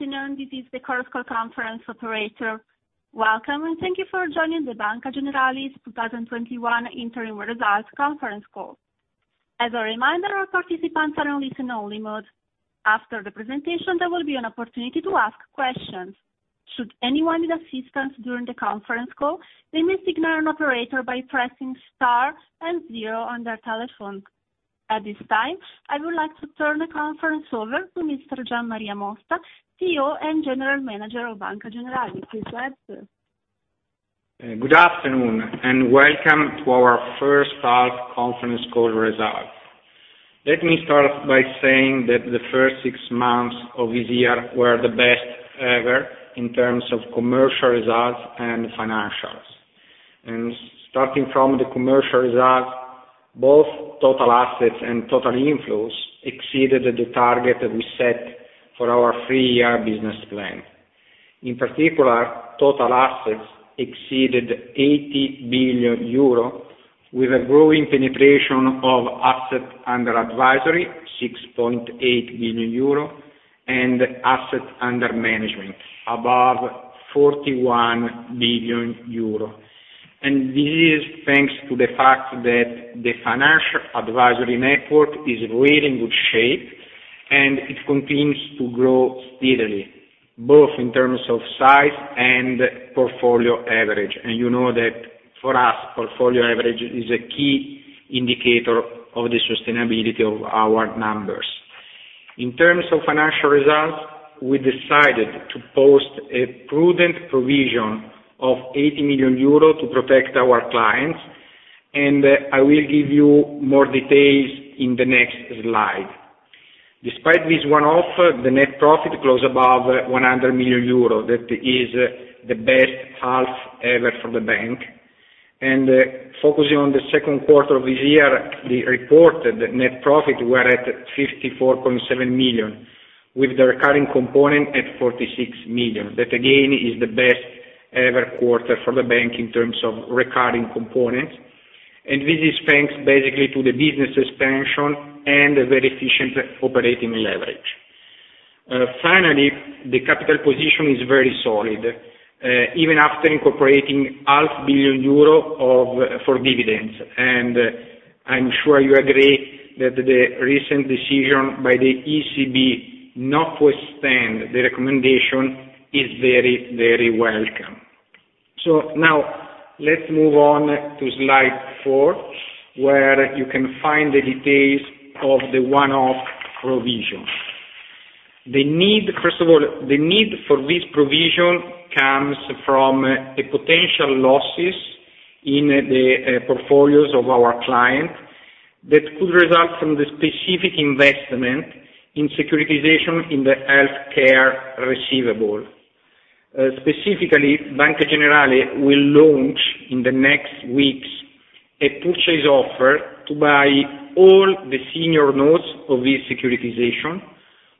Good afternoon. This is the conference call conference operator. Welcome, and thank you for joining the Banca Generali's 2021 interim results conference call. As a reminder, our participants are in listen-only mode. After the presentation, there will be an opportunity to ask questions. Should anyone need assistance during the conference call, they may signal an operator by pressing star and zero on their telephone. At this time, I would like to turn the conference over to Mr. Gian Maria Mossa, CEO and General Manager of Banca Generali. Please go ahead, sir. Good afternoon, welcome to our first half conference call results. Let me start by saying that the first six months of this year were the best ever in terms of commercial results and financials. Starting from the commercial results, both total assets and total inflows exceeded the target that we set for our three-year business plan. In particular, total assets exceeded 80 billion euro with a growing penetration of assets under advisory, 6.8 billion euro, and assets under management, above 41 billion euro. This is thanks to the fact that the financial advisory network is really in good shape, and it continues to grow steadily, both in terms of size and portfolio average. You know that for us, portfolio average is a key indicator of the sustainability of our numbers. In terms of financial results, we decided to post a prudent provision of 80 million euro to protect our clients. I will give you more details in the next slide. Despite this one-off, the net profit closed above 100 million euro. That is the best half ever for the bank. Focusing on the second quarter of this year, the reported net profit were at 54.7 million, with the recurring component at 46 million. That again is the best ever quarter for the bank in terms of recurring components. This is thanks basically to the business expansion and a very efficient operating leverage. Finally, the capital position is very solid, even after incorporating 0.5 billion euro for dividends. I'm sure you agree that the recent decision by the ECB not to extend the recommendation is very, very welcome. Now let's move on to slide four, where you can find the details of the one-off provision. First of all, the need for this provision comes from the potential losses in the portfolios of our client that could result from the specific investment in securitization in the healthcare receivable. Specifically, Banca Generali will launch in the next weeks a purchase offer to buy all the senior notes of this securitization,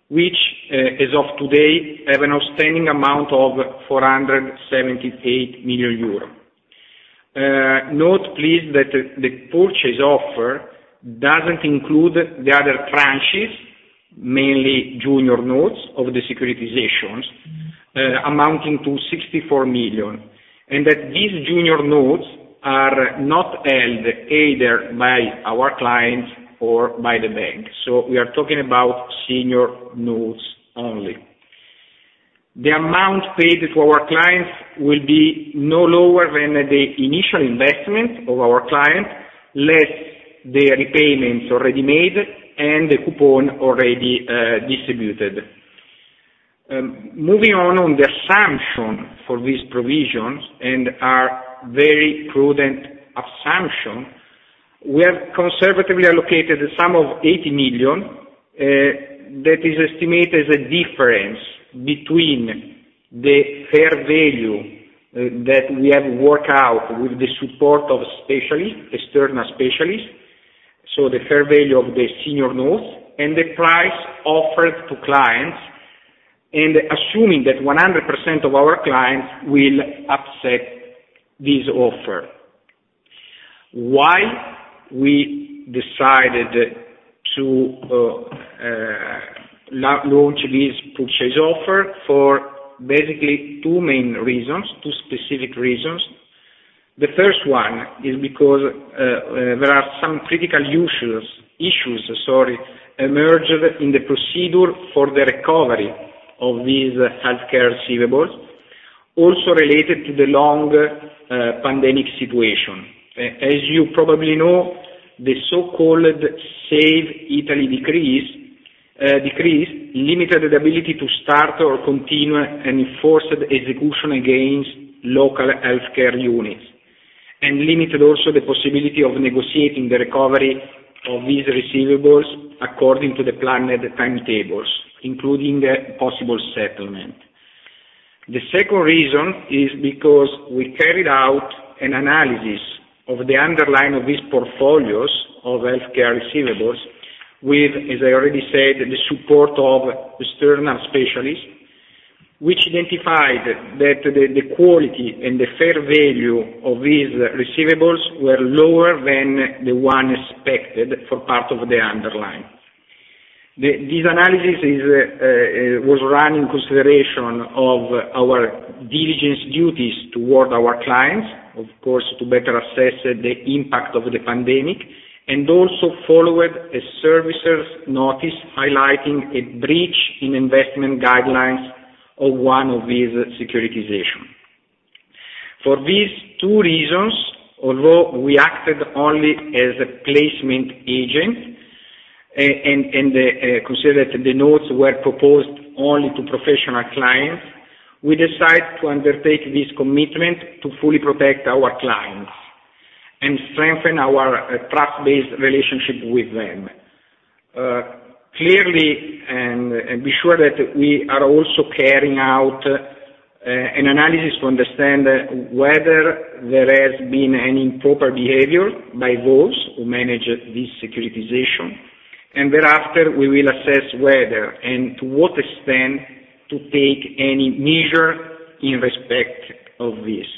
which as of today have an outstanding amount of 478 million euro. Note please that the purchase offer doesn't include the other tranches, mainly junior notes of the securitizations, amounting to 64 million, and that these junior notes are not held either by our clients or by the bank. We are talking about senior notes only. The amount paid to our clients will be no lower than the initial investment of our clients, less the repayments already made and the coupon already distributed. Moving on the assumption for these provisions, and our very prudent assumption, we have conservatively allocated a sum of 80 million that is estimated as a difference between the fair value that we have worked out with the support of specialists, external specialists, so the fair value of the senior notes, and the price offered to clients, and assuming that 100% of our clients will accept this offer. Why we decided to launch this purchase offer? For basically two main reasons, two specific reasons. The first one is because there are some critical issues emerged in the procedure for the recovery of these healthcare receivables, also related to the long pandemic situation. As you probably know, the so-called Save Italy Decree limited the ability to start or continue an enforced execution against local healthcare units, and limited also the possibility of negotiating the recovery of these receivables according to the planned timetables, including a possible settlement. The second reason is because we carried out an analysis of the underlying of these portfolios of healthcare receivables with, as I already said, the support of external specialists, which identified that the quality and the fair value of these receivables were lower than the one expected for part of the underlying. This analysis was run in consideration of our diligence duties toward our clients, of course, to better assess the impact of the pandemic, and also followed a servicer's notice highlighting a breach in investment guidelines of one of these securitizations. For these two reasons, although we acted only as a placement agent, and consider that the notes were proposed only to professional clients, we decide to undertake this commitment to fully protect our clients and strengthen our trust-based relationship with them. Clearly, be sure that we are also carrying out an analysis to understand whether there has been any improper behavior by those who manage this securitization, and thereafter, we will assess whether, and to what extent, to take any measure in respect of this.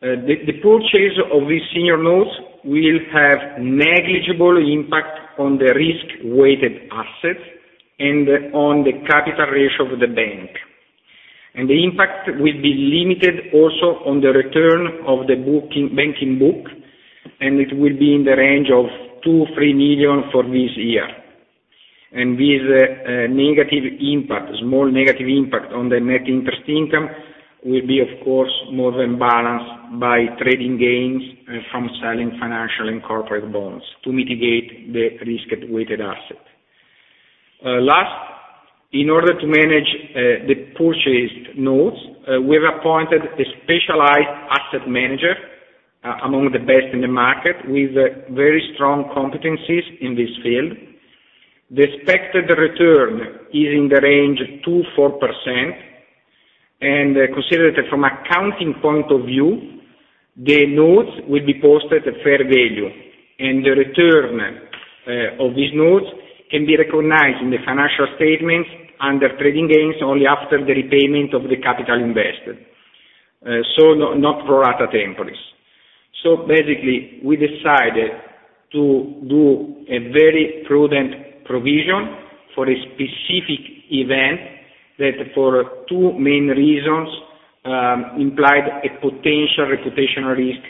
The purchase of these senior notes will have negligible impact on the risk-weighted assets and on the capital ratio of the bank. The impact will be limited also on the return of the banking book, and it will be in the range of 2 million-3 million for this year. This negative impact, small negative impact on the net interest income will be, of course, more than balanced by trading gains from selling financial and corporate bonds to mitigate the risk-weighted asset. Last, in order to manage the purchased notes, we've appointed a specialized asset manager among the best in the market, with very strong competencies in this field. The expected return is in the range 2%-4%, and consider that from accounting point of view, the notes will be posted at fair value, and the return of these notes can be recognized in the financial statements under trading gains only after the repayment of the capital invested. Not pro rata temporis. Basically, we decided to do a very prudent provision for a specific event that, for two main reasons, implied a potential reputational risk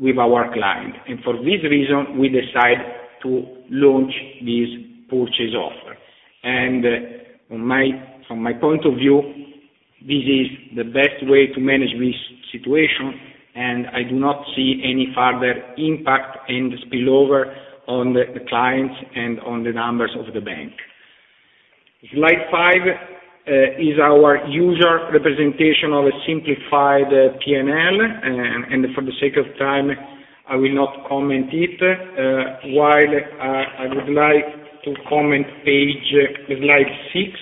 with our client. For this reason, we decide to launch this purchase offer. From my point of view, this is the best way to manage this situation, and I do not see any further impact and spillover on the clients and on the numbers of the bank. Slide five is our usual representation of a simplified P&L, for the sake of time, I will not comment it. While I would like to comment page slide six,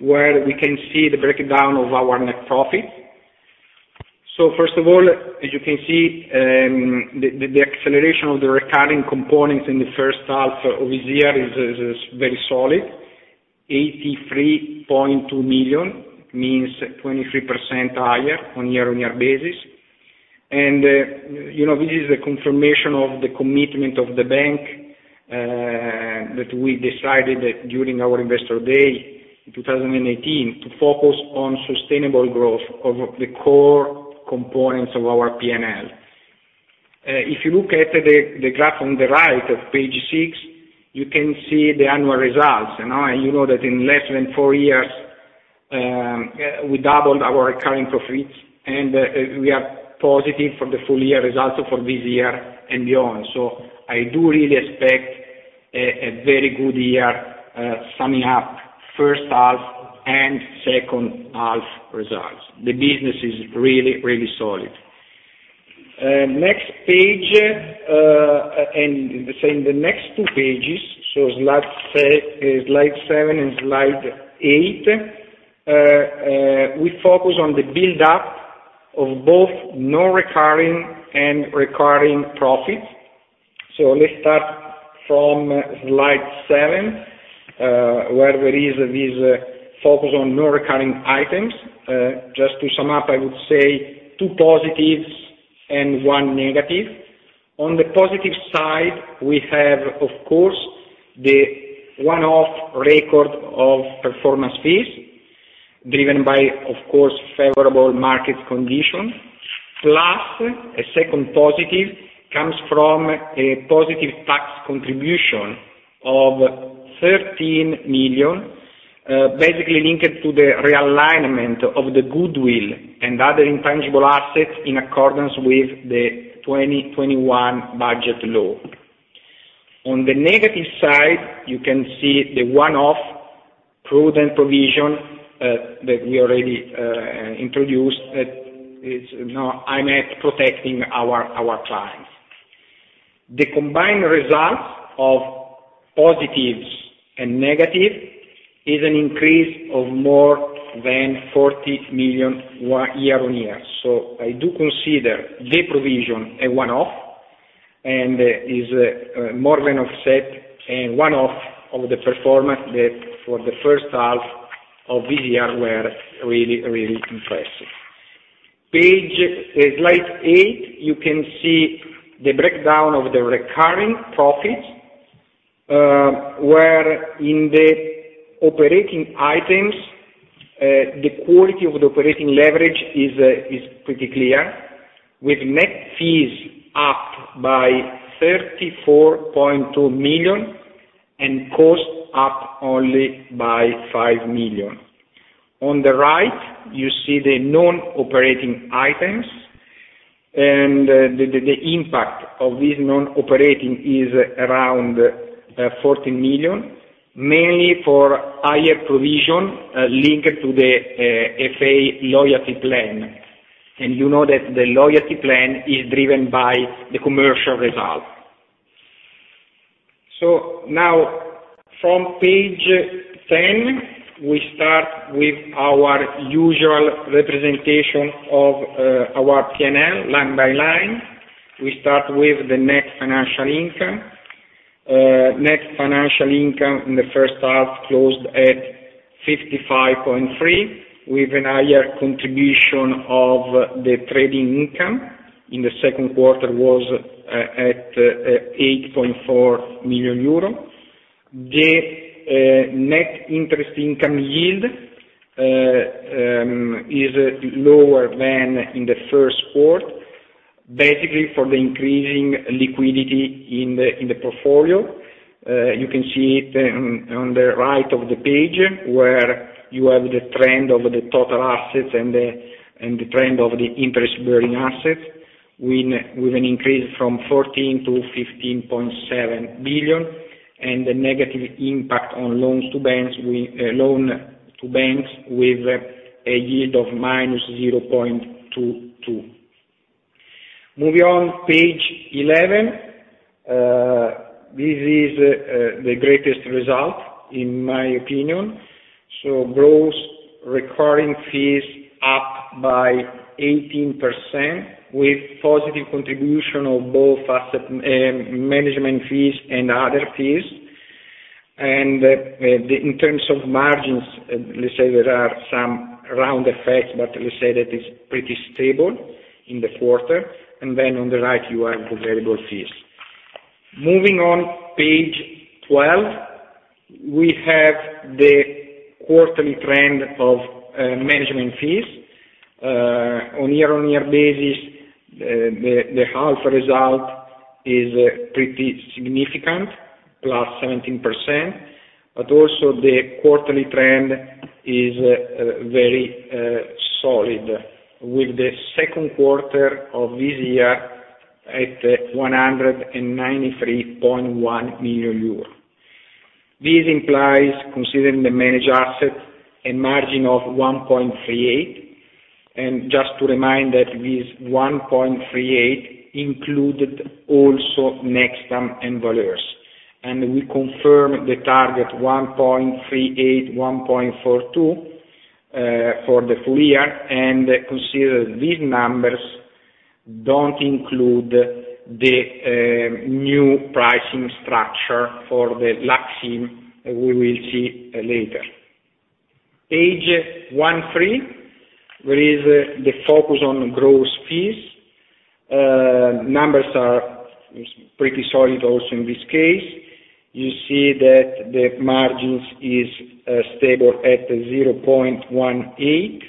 where we can see the breakdown of our net profit. First of all, as you can see, the acceleration of the recurring components in the first half of this year is very solid. 83.2 million means 23% higher on year-on-year basis. This is a confirmation of the commitment of the bank that we decided that during our Investor Day in 2018 to focus on sustainable growth of the core components of our P&L. You look at the graph on the right of page 6, you can see the annual results. You know that in less than four years, we doubled our recurring profits, and we are positive for the full year results for this year and beyond. I do really expect a very good year summing up first half and second half results. The business is really solid. Next page, in the next two pages, slide seven and slide eight, we focus on the build-up of both non-recurring and recurring profits. Let's start from slide seven, where there is this focus on non-recurring items. Just to sum up, I would say two positives and one negative. On the positive side, we have, of course, the one-off record of performance fees driven by, of course, favorable market conditions. Plus, a second positive comes from a positive tax contribution of 13 million, basically linked to the realignment of the goodwill and other intangible assets in accordance with the 2021 Budget Law. On the negative side, you can see the one-off prudent provision that we already introduced. It's aimed at protecting our clients. The combined results of positives and negatives is an increase of more than 40 million year-on-year. I do consider the provision a one-off. It is more than offset, and one-off of the performance that for the first half of this year were really impressive. Slide eight, you can see the breakdown of the recurring profits, where in the operating items, the quality of the operating leverage is pretty clear, with net fees up by 34.2 million and cost up only by 5 million. On the right, you see the non-operating items, and the impact of this non-operating is around 14 million, mainly for higher provision linked to the FA loyalty plan. You know that the loyalty plan is driven by the commercial result. Now from page 10, we start with our usual representation of our P&L line by line. We start with the net financial income. Net financial income in the first half closed at 55.3, with a higher contribution of the trading income. In the second quarter was at 8.4 million euro. The net interest income yield is lower than in the first quarter, basically for the increasing liquidity in the portfolio. You can see it on the right of the page where you have the trend of the total assets and the trend of the interest-bearing assets, with an increase from 14 billion-15.7 billion, and a negative impact on loans to banks with a yield of -0.22%. Page 11. This is the greatest result, in my opinion. Gross recurring fees up by 18%, with positive contribution of both asset management fees and other fees. In terms of margins, let's say there are some round effects, but let's say that it's pretty stable in the quarter. On the right, you have the variable fees. Page 12. We have the quarterly trend of management fees. On year on year basis, the half result is pretty significant, +17%. Also, the quarterly trend is very solid, with the second quarter of this year at 193.1 million euro. This implies, considering the managed assets, a margin of 1.38. Just to remind that this 1.38 included also Nextam Partners and Valeur Fiduciaria. We confirm the target 1.38-1.42 for the full year. Consider these numbers don't include the new pricing structure for the Lux IM we will see later. Page 13, there is the focus on gross fees. Numbers are pretty solid also in this case. You see that the margins is stable at 0.18,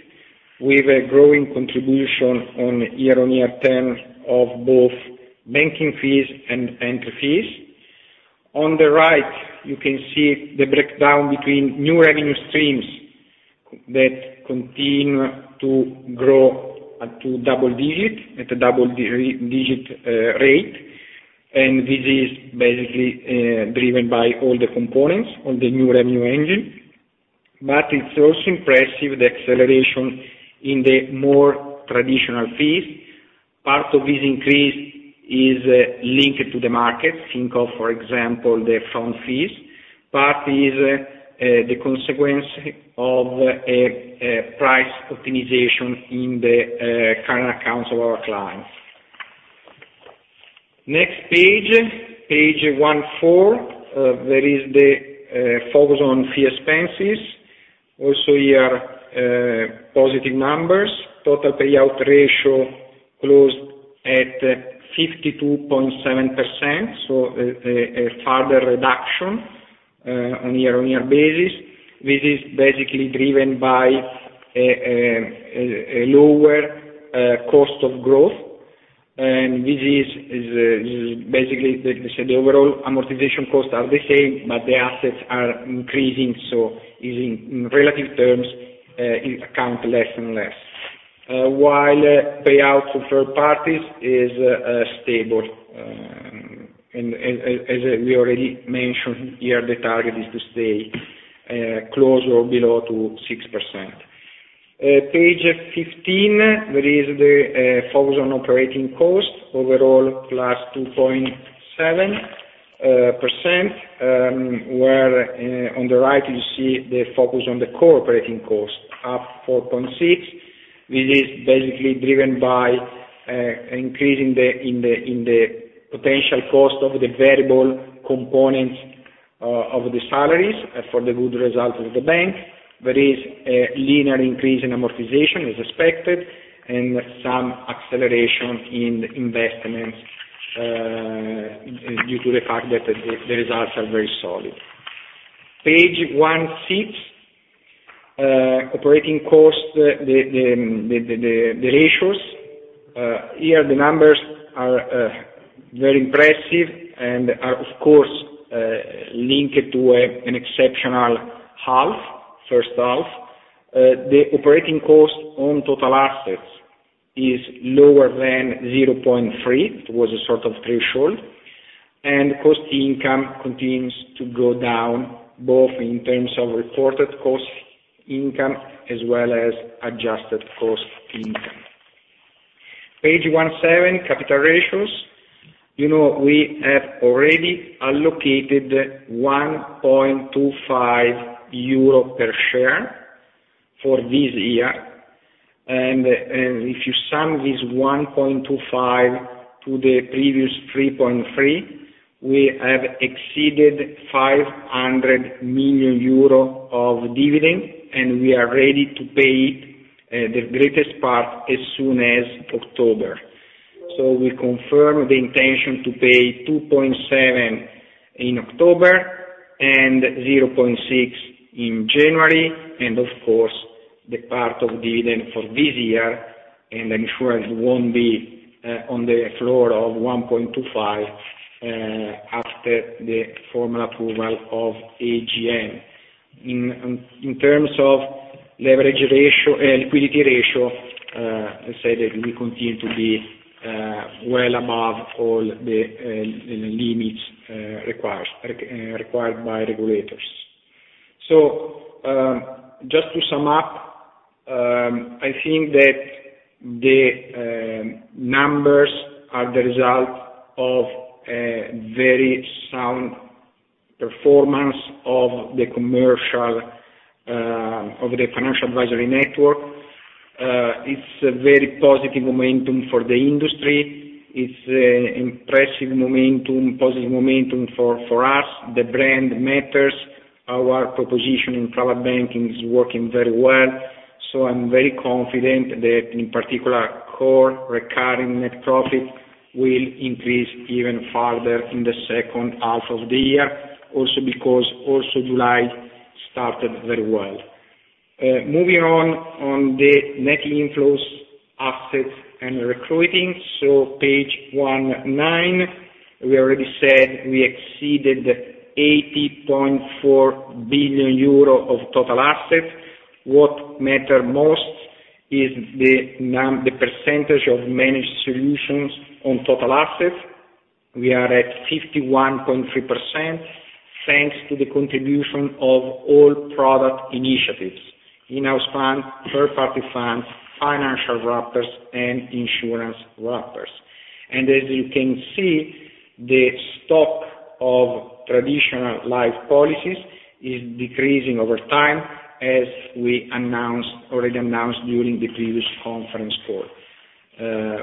with a growing contribution on a year-on-year term of both banking fees and entry fees. On the right, you can see the breakdown between new revenue streams that continue to grow at a double-digit rate. This is basically driven by all the components on the new revenue engine. It's also impressive, the acceleration in the more traditional fees. Part of this increase is linked to the market. Think of, for example, the front fees. Part is the consequence of a price optimization in the current accounts of our clients. Next page 14, there is the focus on fee expenses. Also here, positive numbers. Total payout ratio closed at 52.7%, so a further reduction on a year-on-year basis. This is basically driven by a lower cost of growth. This is basically, let's say the overall amortization costs are the same, but the assets are increasing, so in relative terms, it account less and less. While payouts of third parties is stable. As we already mentioned here, the target is to stay close or below to 6%. Page 15, there is the focus on operating costs. Overall, +2.7%, where on the right, you see the focus on the core operating cost up 4.6%, which is basically driven by increasing the potential cost of the variable components of the salaries for the good results of the bank. There is a linear increase in amortization, as expected, and some acceleration in investments due to the fact that the results are very solid. Page 16, operating cost, the ratios. Here the numbers are very impressive and are, of course, linked to an exceptional first half. The operating cost on total assets is lower than 0.3%, it was a sort of threshold. Cost to income continues to go down, both in terms of reported cost income, as well as adjusted cost income. Page 17, capital ratios. We have already allocated 1.25 euro per share for this year. If you sum this 1.25 to the previous 3.3, we have exceeded 500 million euro of dividend. We are ready to pay the greatest part as soon as October. We confirm the intention to pay 2.7 in October and 0.6 in January. Of course, the part of dividend for this year, I'm sure it won't be on the floor of 1.25, after the formal approval of AGM. In terms of liquidity ratio, I say that we continue to be well above all the limits required by regulators. Just to sum up, I think that the numbers are the result of a very sound performance of the financial advisory network. It's a very positive momentum for the industry. It's impressive positive momentum for us. The brand matters. Our proposition in private banking is working very well. I'm very confident that in particular, core recurring net profit will increase even further in the second half of the year, also because also July started very well. Moving on the net inflows assets and recruiting. Page 19, we already said we exceeded 80.4 billion euro of total assets. What matter most is the percentage of managed solutions on total assets. We are at 51.3%, thanks to the contribution of all product initiatives, in-house funds, third-party funds, financial wrappers, and insurance wrappers. As you can see, the stock of traditional life policies is decreasing over time, as we already announced during the previous conference call.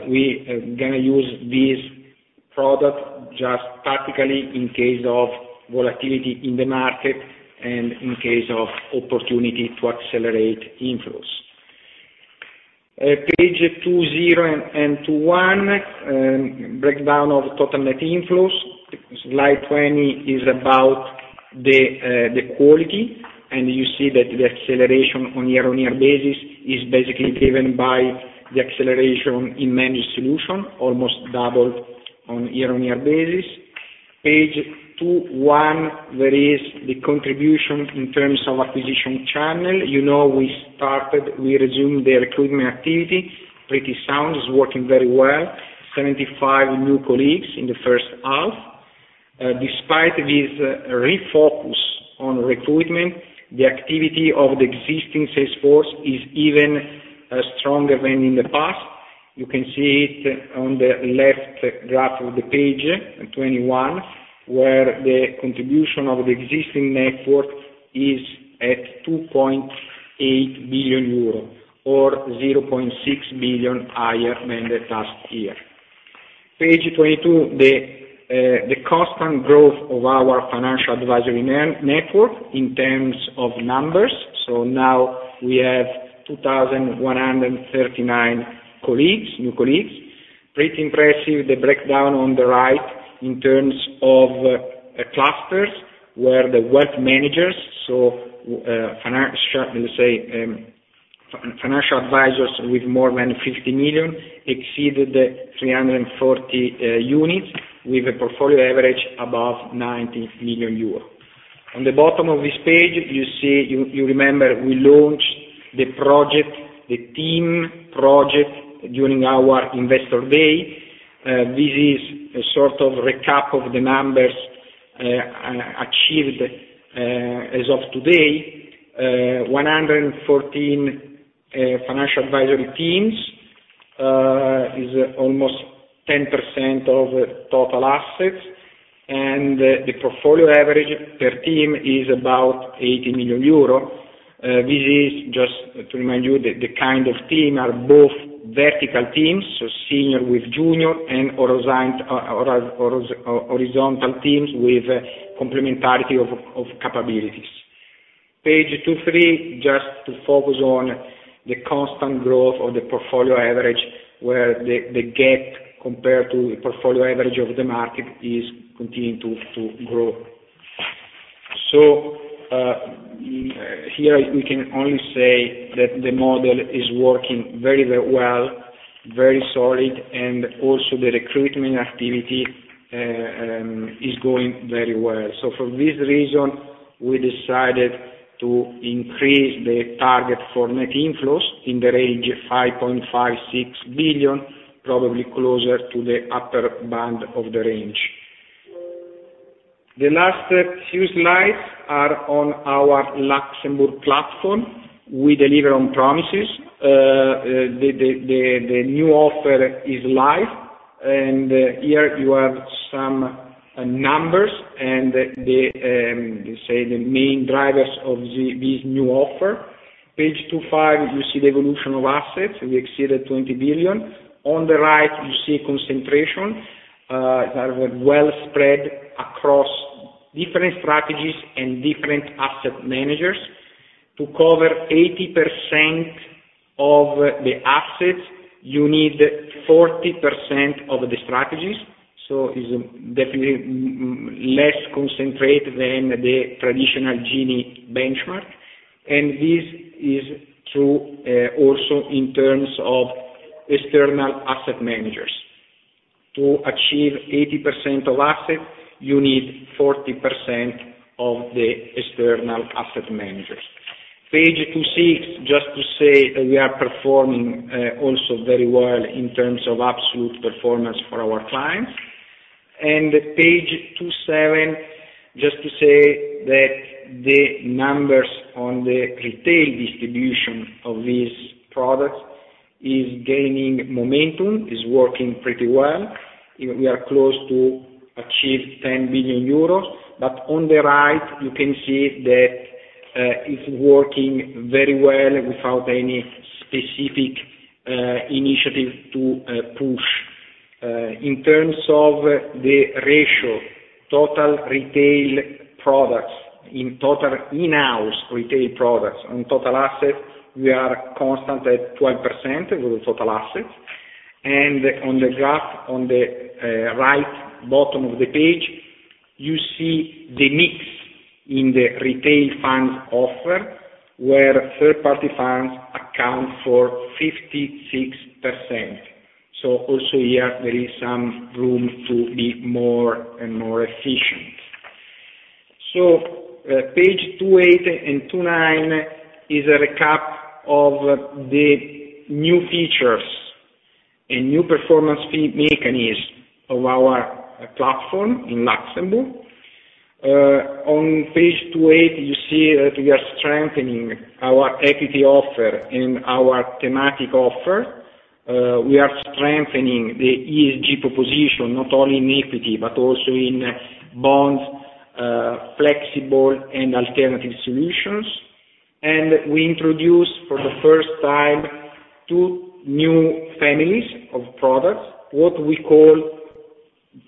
We are going to use this product just tactically in case of volatility in the market and in case of opportunity to accelerate inflows. Page 20 and 21, breakdown of total net inflows. Slide 20 is about the quality, and you see that the acceleration on year-on-year basis is basically driven by the acceleration in managed solution, almost double on year-on-year basis. Page 21, there is the contribution in terms of acquisition channel. We resumed the recruitment activity. Pretty sound, it's working very well. 75 new colleagues in the first half. Despite this refocus on recruitment, the activity of the existing sales force is even stronger than in the past. You can see it on the left graph of the page 21, where the contribution of the existing network is at 2.8 billion euro or 0.6 billion higher than the past year. Page 22, the constant growth of our financial advisory network in terms of numbers. Now we have 2,139 new colleagues. Pretty impressive, the breakdown on the right in terms of clusters, where the wealth managers, so financial advisors with more than 50 million exceeded 340 units with a portfolio average above 90 million euro. On the bottom of this page, you remember we launched the team project during our investor day. This is a sort of recap of the numbers achieved as of today. 114 financial advisory teams. It is almost 10% of total assets, and the portfolio average per team is about 80 million euro. This is just to remind you that the kind of team are both vertical teams, so senior with junior and horizontal teams with complementarity of capabilities. Page 23, just to focus on the constant growth of the portfolio average, where the gap compared to the portfolio average of the market is continuing to grow. Here we can only say that the model is working very well, very solid, and also the recruitment activity is going very well. For this reason, we decided to increase the target for net inflows in the range of 5.56 billion, probably closer to the upper band of the range. The last few slides are on our Luxembourg platform. We deliver on promises. The new offer is live. Here you have some numbers and let's say the main drivers of this new offer. Page 25, you see the evolution of assets. We exceeded 20 billion. On the right, you see concentration. They were well spread across different strategies and different asset managers. To cover 80% of the assets, you need 40% of the strategies. It's definitely less concentrated than the traditional Gini benchmark. This is true also in terms of external asset managers. To achieve 80% of assets, you need 40% of the external asset managers. Page 26, just to say we are performing also very well in terms of absolute performance for our clients. Page 27, just to say that the numbers on the retail distribution of these products is gaining momentum, is working pretty well. We are close to achieve 10 billion euros, but on the right you can see that it's working very well without any specific initiative to push. In terms of the ratio, total retail products in total in-house retail products on total assets, we are constant at 12% of the total assets. On the graph on the right bottom of the page, you see the mix in the retail funds offer, where third-party funds account for 56%. Also here there is some room to be more and more efficient. Page 28 and 29 is a recap of the new features and new performance fee mechanism of our platform in Luxembourg. On page 28, you see that we are strengthening our equity offer and our thematic offer. We are strengthening the ESG proposition, not only in equity but also in bonds, flexible, and alternative solutions. We introduce for the first time two new families of products, what we call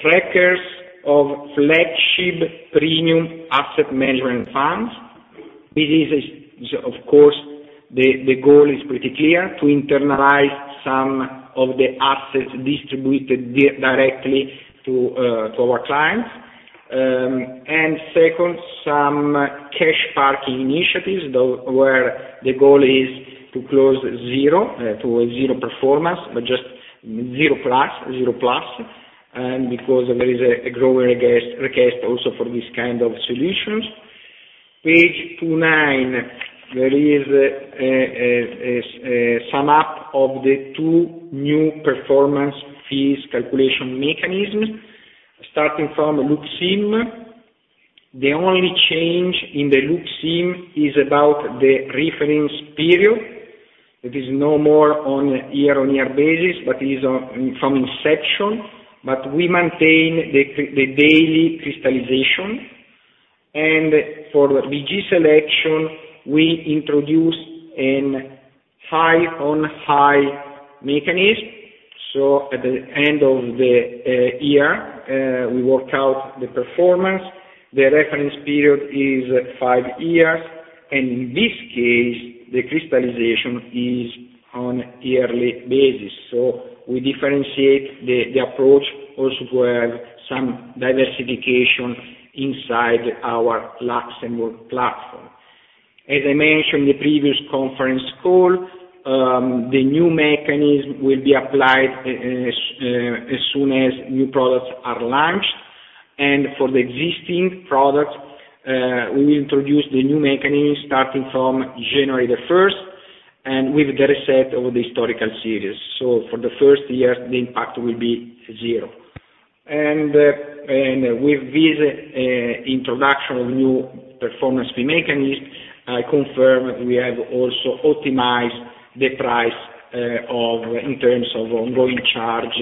trackers of flagship premium asset management funds. Of course, the goal is pretty clear, to internalize some of the assets distributed directly to our clients. Second, some cash parking initiatives, where the goal is to close zero, towards zero performance, but just zero plus because there is a growing request also for these kind of solutions. Page 29, there is a sum up of the two new performance fees calculation mechanism. Starting from Lux IM, the only change in the Lux IM is about the reference period. It is no more on a year-on-year basis, but is from inception. We maintain the daily crystallization. For BG Selection, we introduce a high on high mechanism. At the end of the year, we work out the performance. The reference period is five years, and in this case, the crystallization is on yearly basis. We differentiate the approach also to have some diversification inside our Luxembourg platform. As I mentioned in the previous conference call, the new mechanism will be applied as soon as new products are launched. For the existing products, we will introduce the new mechanism starting from January 1st, and with the reset of the historical series. For the first year, the impact will be zero. With this introduction of new performance fee mechanism, I confirm we have also optimized the price in terms of ongoing charge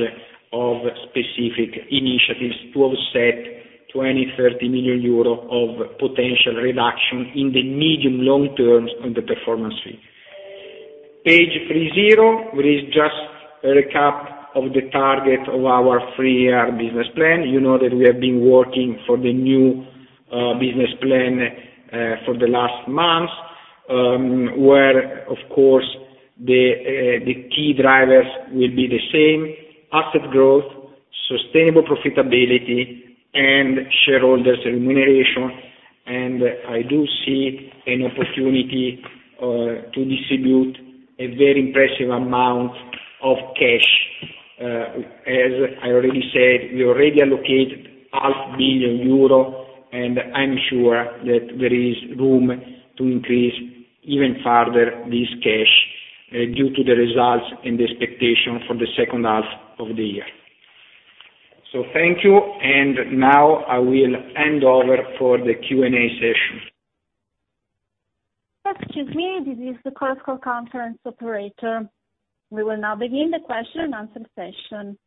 of specific initiatives to offset 20 million-30 million euro of potential reduction in the medium long term on the performance fee. Page 30 is just a recap of the target of our three-year business plan. You know that we have been working for the new business plan for the last month, where, of course, the key drivers will be the same: asset growth, sustainable profitability, and shareholders remuneration. I do see an opportunity to distribute a very impressive amount of cash. As I already said, we already allocated half billion EUR, and I'm sure that there is room to increase even further this cash due to the results and the expectation for the second half of the year. Thank you, and now I will hand over for the Q&A session. Excuse me, this is the conference call operator. We will now begin the question and answer session.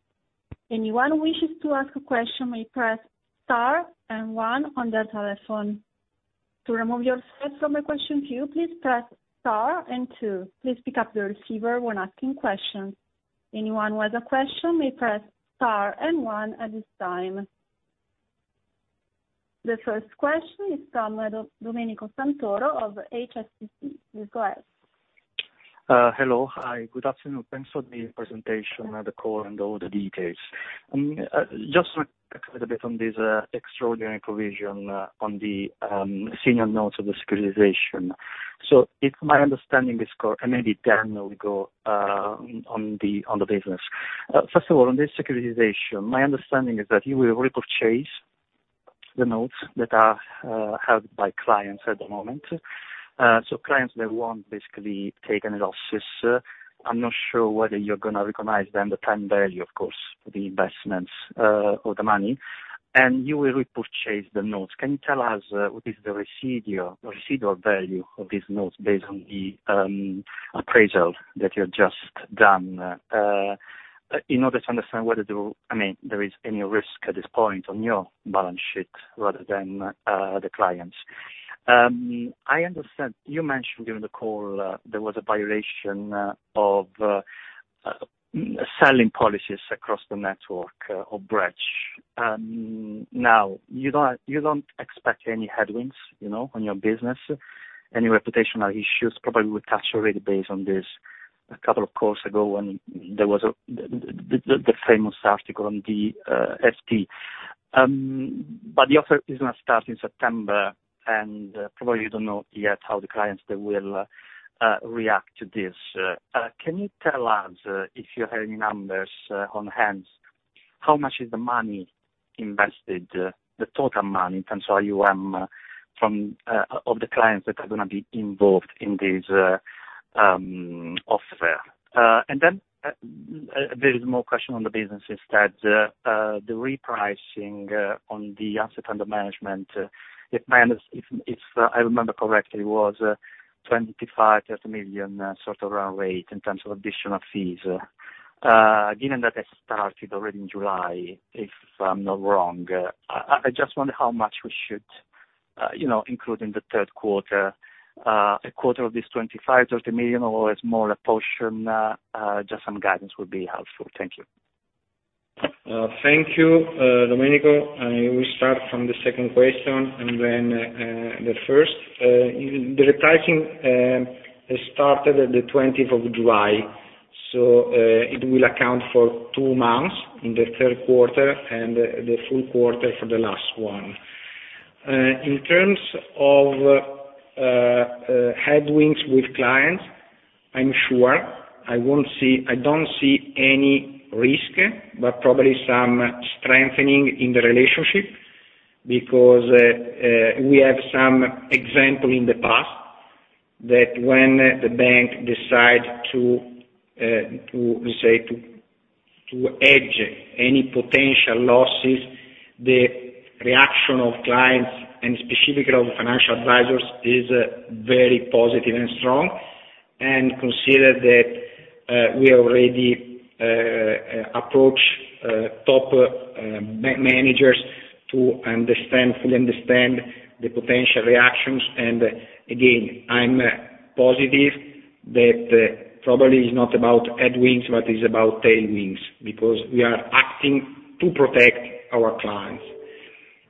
Anyone who wishes to ask a question may press star and one on their telephone. To remove yourself from a question queue, please press star and two. Please pick up the receiver when asking questions. Anyone with a question may press star and one at this time. The first question is from Domenico Santoro of HSBC. Please go ahead. Hello. Hi. Good afternoon. Thanks for the presentation, the call, and all the details. Just to a little bit on this extraordinary provision on the senior notes of the securitization. If my understanding is correct, and maybe, we go on the business. First of all, on this securitization, my understanding is that you will repurchase the notes that are held by clients at the moment. Clients that won't basically take any losses. I'm not sure whether you're going to recognize then the time value, of course, for the investments or the money, and you will repurchase the notes. Can you tell us what is the residual value of these notes based on the appraisal that you have just done in order to understand whether there is any risk at this point on your balance sheet rather than the clients? I understand you mentioned during the call there was a violation of selling policies across the network or branch. You don't expect any headwinds on your business, any reputational issues. Probably, we touched already base on this a couple of calls ago when there was the famous article on the SPV. The offer is going to start in September, and probably you don't know yet how the clients they will react to this. Can you tell us if you have any numbers on hand, how much is the money invested, the total money in terms of AUM of the clients that are going to be involved in this offer? There is more question on the businesses that the repricing on the asset under management. If I remember correctly, it was 25 million-30 million sort of run rate in terms of additional fees. Given that has started already in July, if I'm not wrong, I just wonder how much we should, including the third quarter, a quarter of this 25 million, 30 million or a smaller portion, just some guidance would be helpful. Thank you. Thank you, Domenico. We start from the second question and then the first. The repricing has started at the 20th of July. It will account for two months in the third quarter and the full quarter for the last one. In terms of headwinds with clients, I'm sure I don't see any risk, but probably some strengthening in the relationship. We have some example in the past that when the bank decide to, we say, to hedge any potential losses, the reaction of clients, and specifically of financial advisors, is very positive and strong. Consider that we already approach top bank managers to fully understand the potential reactions. Again, I'm positive that probably is not about headwinds, but is about tailwinds. We are acting to protect our clients.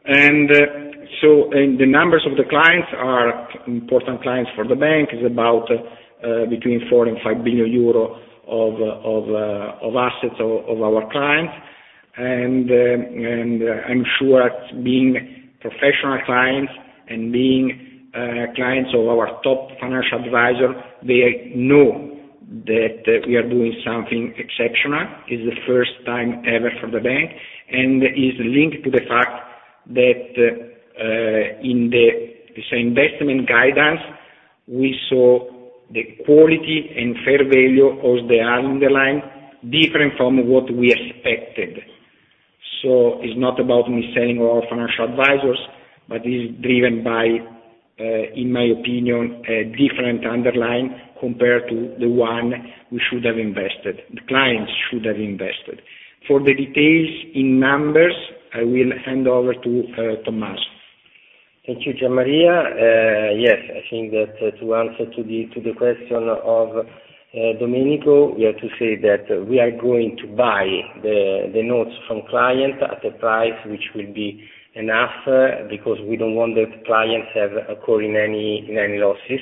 The numbers of the clients are important clients for the bank. It's about between 4 billion and 5 billion euro of assets of our clients. I'm sure being professional clients and being clients of our top financial advisor, they know that we are doing something exceptional. It's the first time ever for the bank, is linked to the fact that in the investment guidance, we saw the quality and fair value of the underlying different from what we expected. It's not about mis-selling all financial advisors, is driven by, in my opinion, a different underlying compared to the one we should have invested, the clients should have invested. For the details in numbers, I will hand over to Tommaso. Thank you, Gian Maria. I think that to answer to the question of Domenico, we have to say that we are going to buy the notes from client at a price which will be enough, because we don't want the clients incurring any losses.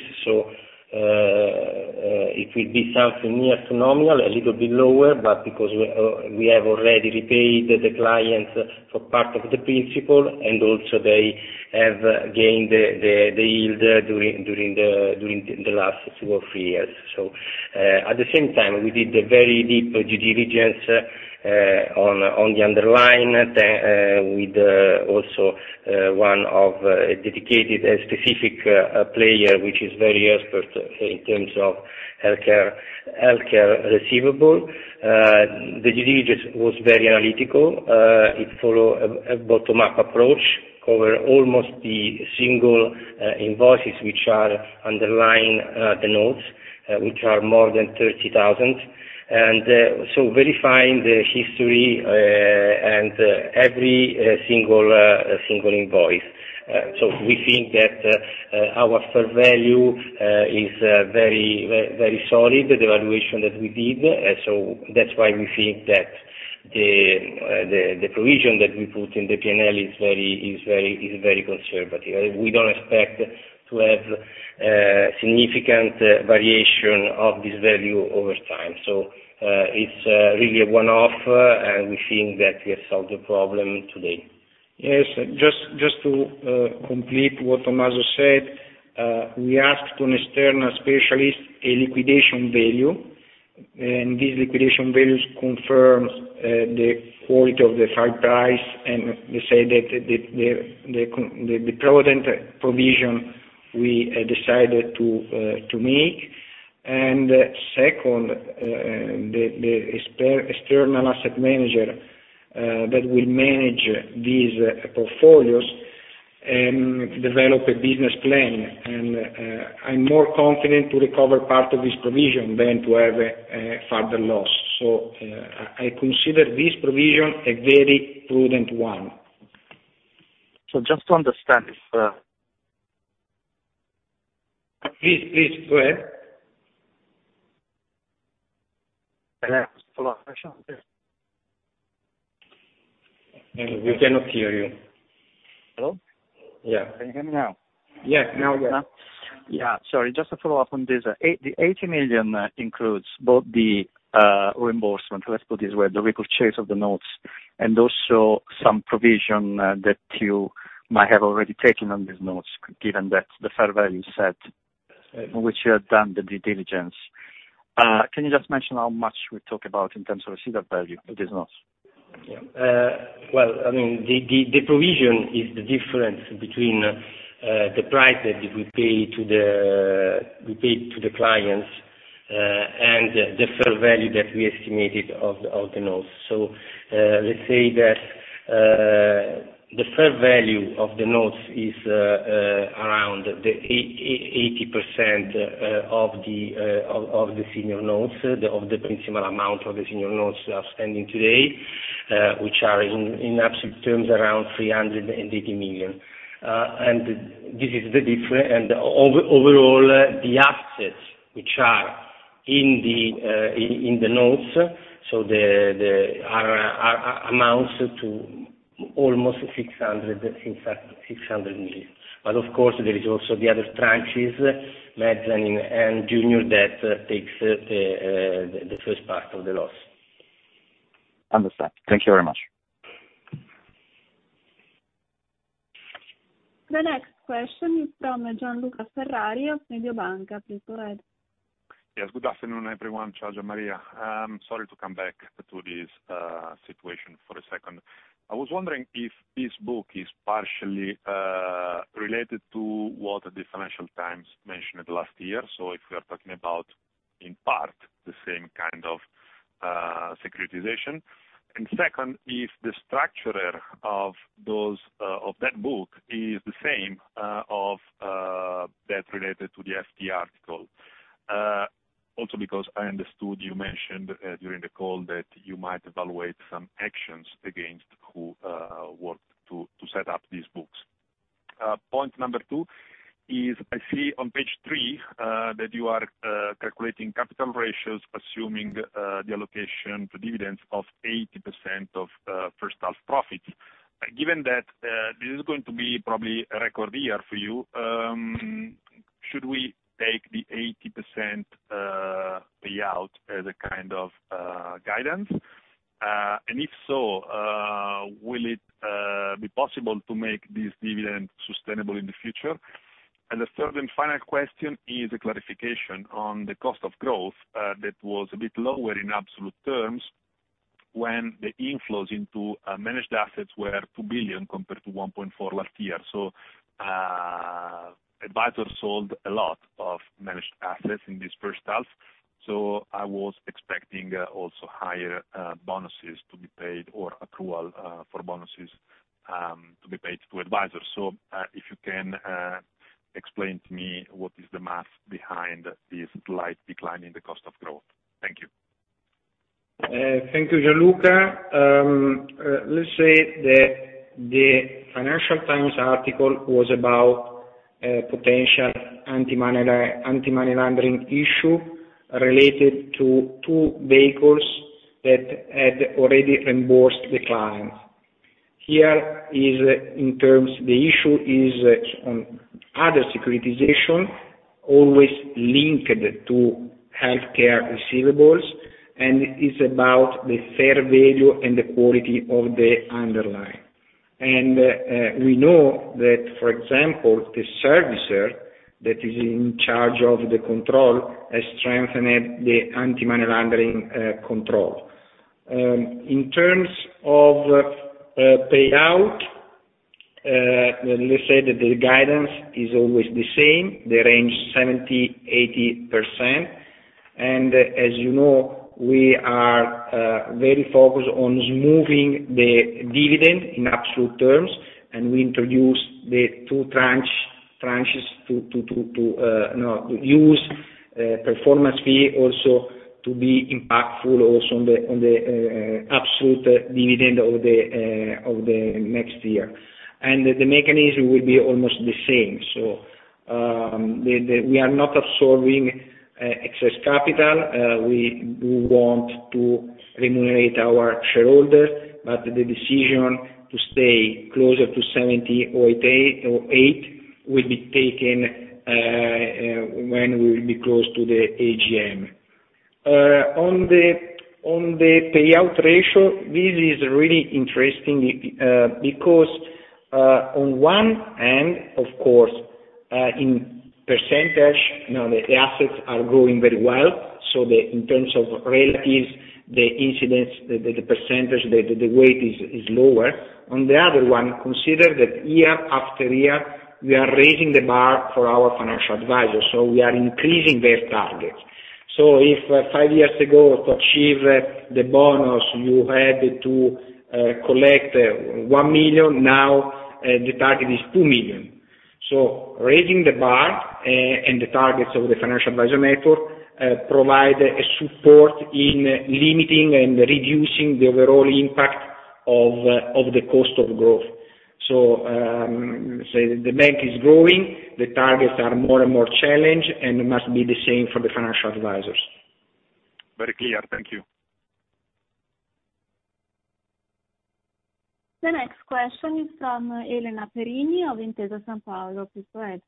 It will be something near to nominal, a little bit lower, because we have already repaid the clients for part of the principal, and also they have gained the yield during the last two or three years. At the same time, we did a very deep due diligence on the underlying, with also one dedicated specific player, which is very expert in terms of healthcare receivable. The due diligence was very analytical. It follow a bottom-up approach, cover almost the single invoices which are underlying the notes, which are more than 30,000, and so verifying the history, and every single invoice. We think that our fair value is very solid, the valuation that we did. That's why we think that the provision that we put in the P&L is very conservative. We don't expect to have significant variation of this value over time. It's really a one-off, and we think that we have solved the problem today. Yes. Just to complete what Tommaso said, we asked an external specialist a liquidation value, this liquidation values confirms the quality of the fair price, they say that the prudent provision we decided to make. Second, the external asset manager that will manage these portfolios develop a business plan. I'm more confident to recover part of this provision than to have a further loss. I consider this provision a very prudent one. Just to understand if. Please, go ahead. Can I ask a follow-up question? Yes. We cannot hear you. Hello? Yeah. Can you hear me now? Yes. Now, yes. Yeah. Sorry. Just to follow up on this, the 80 million includes both the reimbursement, let's put it this way, the repurchase of the notes and also some provision that you might have already taken on these notes, given that the fair value set in which you had done the due diligence. Can you just mention how much we talk about in terms of receivable value of these notes? Yeah. Well, the provision is the difference between the price that we pay to the clients, and the fair value that we estimated of the notes. Let's say that the fair value of the notes is around the 80% of the senior notes, of the principal amount of the senior notes we are spending today, which are in absolute terms around 380 million. This is the difference. Overall, the assets which are in the notes, they are amounts to almost 600 million. Of course, there is also the other tranches, mezzanine and junior debt takes the first part of the loss. Understand. Thank you very much. The next question is from Gianluca Ferrari of Mediobanca. Please go ahead. Yes. Good afternoon, everyone. Ciao, Gian Maria. Sorry to come back to this situation for a second. I was wondering if this book is partially related to what the Financial Times mentioned last year. If we are talking about, in part, the same kind of securitization. Second, if the structurer of that book is the same of that related to the FT article. Also because I understood you mentioned during the call that you might evaluate some actions against who worked to set up these books. Point number two is I see on page three that you are calculating capital ratios, assuming the allocation to dividends of 80% of first half profits. Given that this is going to be probably a record year for you, should we take the 80% payout as a kind of guidance? If so, will it be possible to make this dividend sustainable in the future? The third and final question is a clarification on the cost of growth that was a bit lower in absolute terms when the inflows into managed assets were 2 billion compared to 1.4 billion last year. Advisors sold a lot of managed assets in this first half. I was expecting also higher bonuses to be paid or accrual for bonuses to be paid to advisors. If you can explain to me what is the math behind this slight decline in the cost of growth. Thank you. Thank you, Gianluca. Let's say that the Financial Times article was about potential anti-money laundering issue related to two vehicles that had already reimbursed the client. Here, the issue is on other securitization, always linked to healthcare receivables, It's about the fair value and the quality of the underlying. We know that, for example, the servicer that is in charge of the control has strengthened the anti-money laundering control. In terms of payout, let's say that the guidance is always the same, the range 70%-80%. As you know, we are very focused on smoothing the dividend in absolute terms, We introduce the two tranches to use performance fee also to be impactful also on the absolute dividend of the next year. The mechanism will be almost the same. We are not absorbing excess capital. We do want to remunerate our shareholders, but the decision to stay closer to 70% or 80% will be taken when we will be close to the AGM. On the payout ratio, this is really interesting because on one hand, of course, in percentage, the assets are growing very well. In terms of relatives, the incidence, the percentage, the weight is lower. On the other one, consider that year after year, we are raising the bar for our financial advisors, so we are increasing their targets. If years ago to achieve the bonus, you had to collect 1 million, now the target is 2 million. Raising the bar, and the targets of the financial advisor network, provide a support in limiting and reducing the overall impact of the cost of growth. Let's say the bank is growing, the targets are more and more challenged, and it must be the same for the financial advisors. Very clear. Thank you. The next question is from Elena Perini of Intesa Sanpaolo. Please go ahead.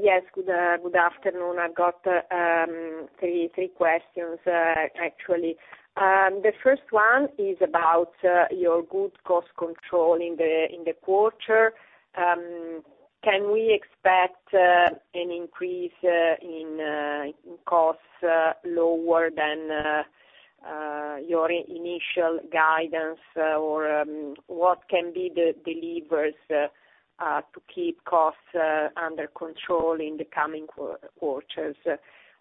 Yes. Good afternoon. I've got three questions actually. The first one is about your good cost control in the quarter. Can we expect an increase in costs lower than your initial guidance? What can be the levers to keep costs under control in the coming quarters?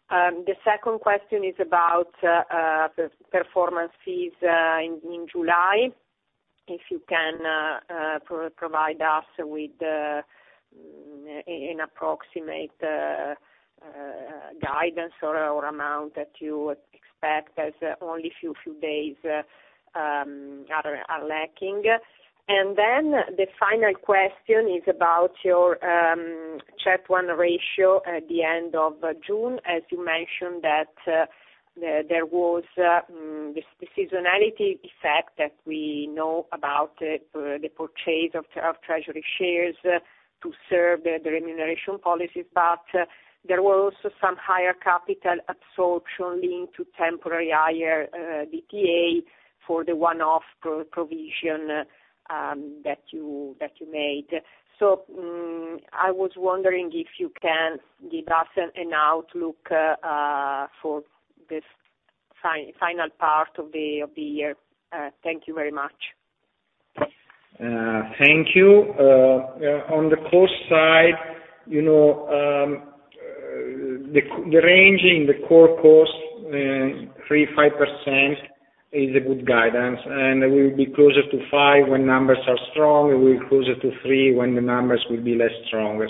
The second question is about performance fees in July. If you can provide us with an approximate guidance or amount that you expect, as only few days are lacking. The final question is about your CET1 ratio at the end of June. As you mentioned that there was this seasonality effect that we know about the purchase of treasury shares to serve the remuneration policies, but there were also some higher capital absorption linked to temporary higher DTA for the one-off provision that you made. I was wondering if you can give us an outlook for this final part of the year. Thank you very much. Thank you. On the cost side, the range in the core cost, 3%-5%, is a good guidance, and we will be closer to 5% when numbers are strong, and we will be closer to 3% when the numbers will be less strong. We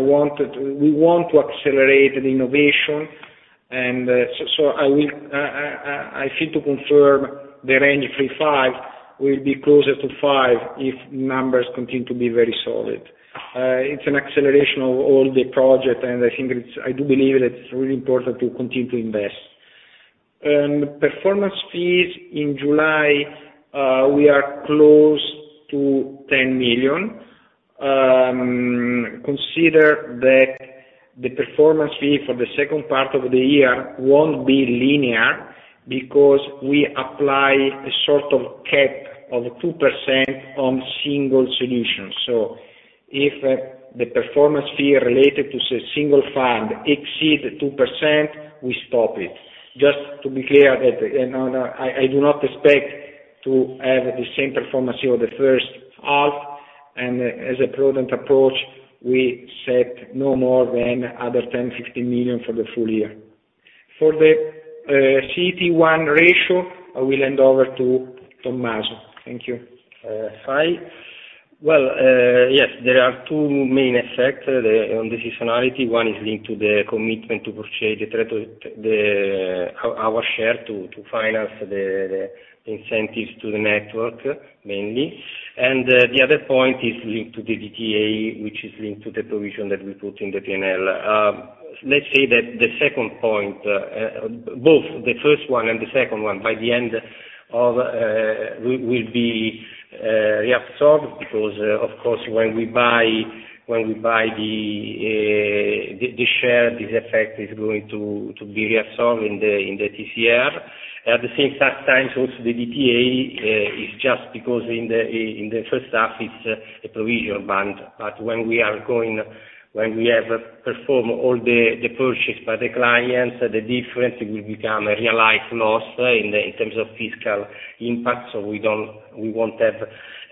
want to accelerate innovation. I have to confirm the range of 3%-5% will be closer to 5% if numbers continue to be very solid. It's an acceleration of all the project, and I do believe that it's really important to continue to invest. Performance fees in July, we are close to 10 million. Consider that the performance fee for the second part of the year won't be linear because we apply a sort of cap of 2% on single solutions. If the performance fee related to a single fund exceeds 2%, we stop it. Just to be clear that I do not expect to have the same performance over the first half, and as a prudent approach, we set no more than other 10 million, 15 million for the full year. For the CET1 ratio, I will hand over to Tommaso. Thank you. Hi. Well, yes, there are two main effects on the seasonality. One is linked to the commitment to purchase our share to finance the incentives to the network mainly. The other point is linked to the DTA, which is linked to the provision that we put in the P&L. Let's say that both the first one and the second one by the end will be reabsorbed because, of course, when we buy the share, this effect is going to be reabsorbed in the TCR. At the same time also, the DTA is just because in the first half it's a. When we perform all the purchase by the clients, the difference will become a realized loss in terms of fiscal impact, so we won't have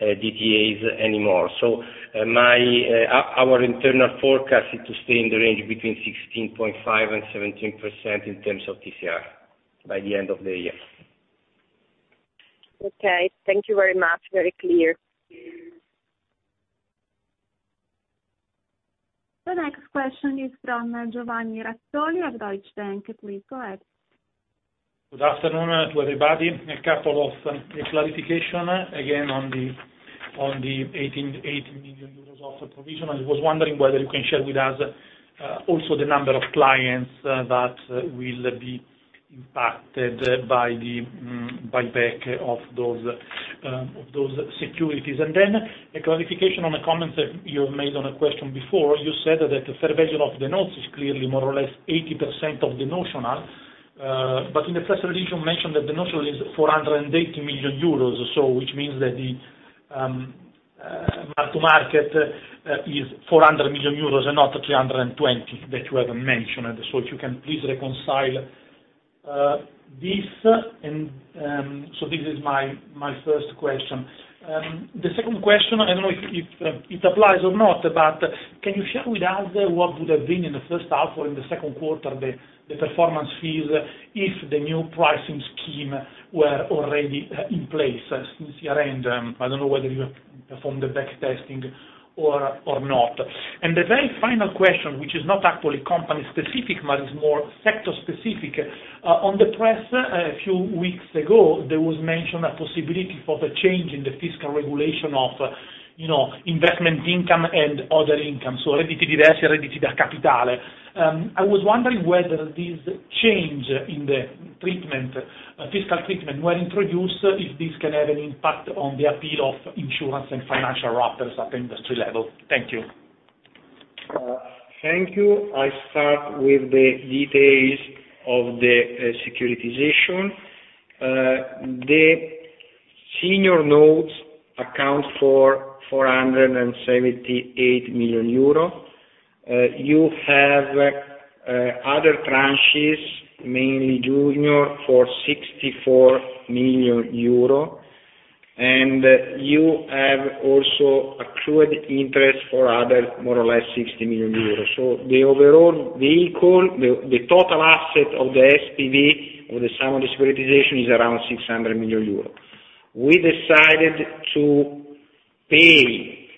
DTAs anymore. Our internal forecast is to stay in the range between 16.5% and 17% in terms of TCR by the end of the year. Okay. Thank you very much. Very clear. The next question is from Giovanni Razzoli of Deutsche Bank. Please go ahead. Good afternoon to everybody. A couple of clarification again on the 80 million euros of provision. I was wondering whether you can share with us also the number of clients that will be impacted by the buyback of those securities. A clarification on the comments that you have made on a question before. You said that the fair value of the notes is clearly more or less 80% of the notional. In the press release, you mentioned that the notional is 480 million euros. Which means that the mark-to-market is 400 million euros and not 320 that you have mentioned. If you can please reconcile this. This is my first question. The second question, I don't know if it applies or not, but can you share with us what would have been in the first half or in the second quarter, the performance fees if the new pricing scheme were already in place since year-end? I don't know whether you have performed the back testing or not. The very final question, which is not actually company specific, but is more sector specific. On the press a few weeks ago, there was mention a possibility for the change in the fiscal regulation of investment income and other income. I was wondering whether this change in the fiscal treatment were introduced, if this can have an impact on the appeal of insurance and financial wrappers at the industry level. Thank you. Thank you. I start with the details of the securitization. The senior notes account for 478 million euro. You have other tranches, mainly junior, for 64 million euro. You have also accrued interest for other, more or less 60 million euro. The overall vehicle, the total asset of the SPV, or the sum of the securitization, is around 600 million euros. We decided to pay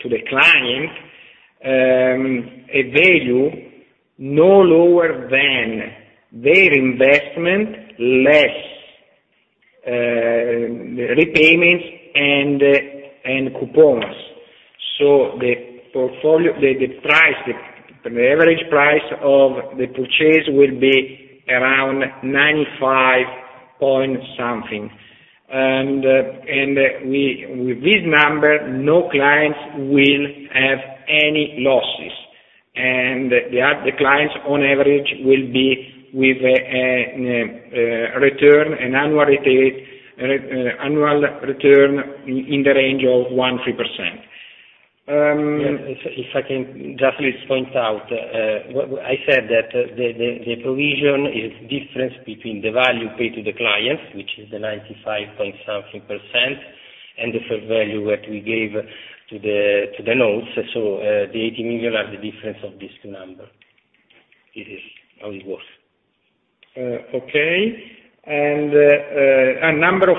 to the client a value no lower than their investment, less repayments and coupons. The average price of the purchase will be around 95 point something. With this number, no clients will have any losses. The clients on average will be with an annual return in the range of 1%-3%. If I can just please point out. I said that the provision is difference between the value paid to the clients, which is the 95.something%, and the fair value that we gave to the notes. The 80 million are the difference of this number. This is how it works. Okay. Number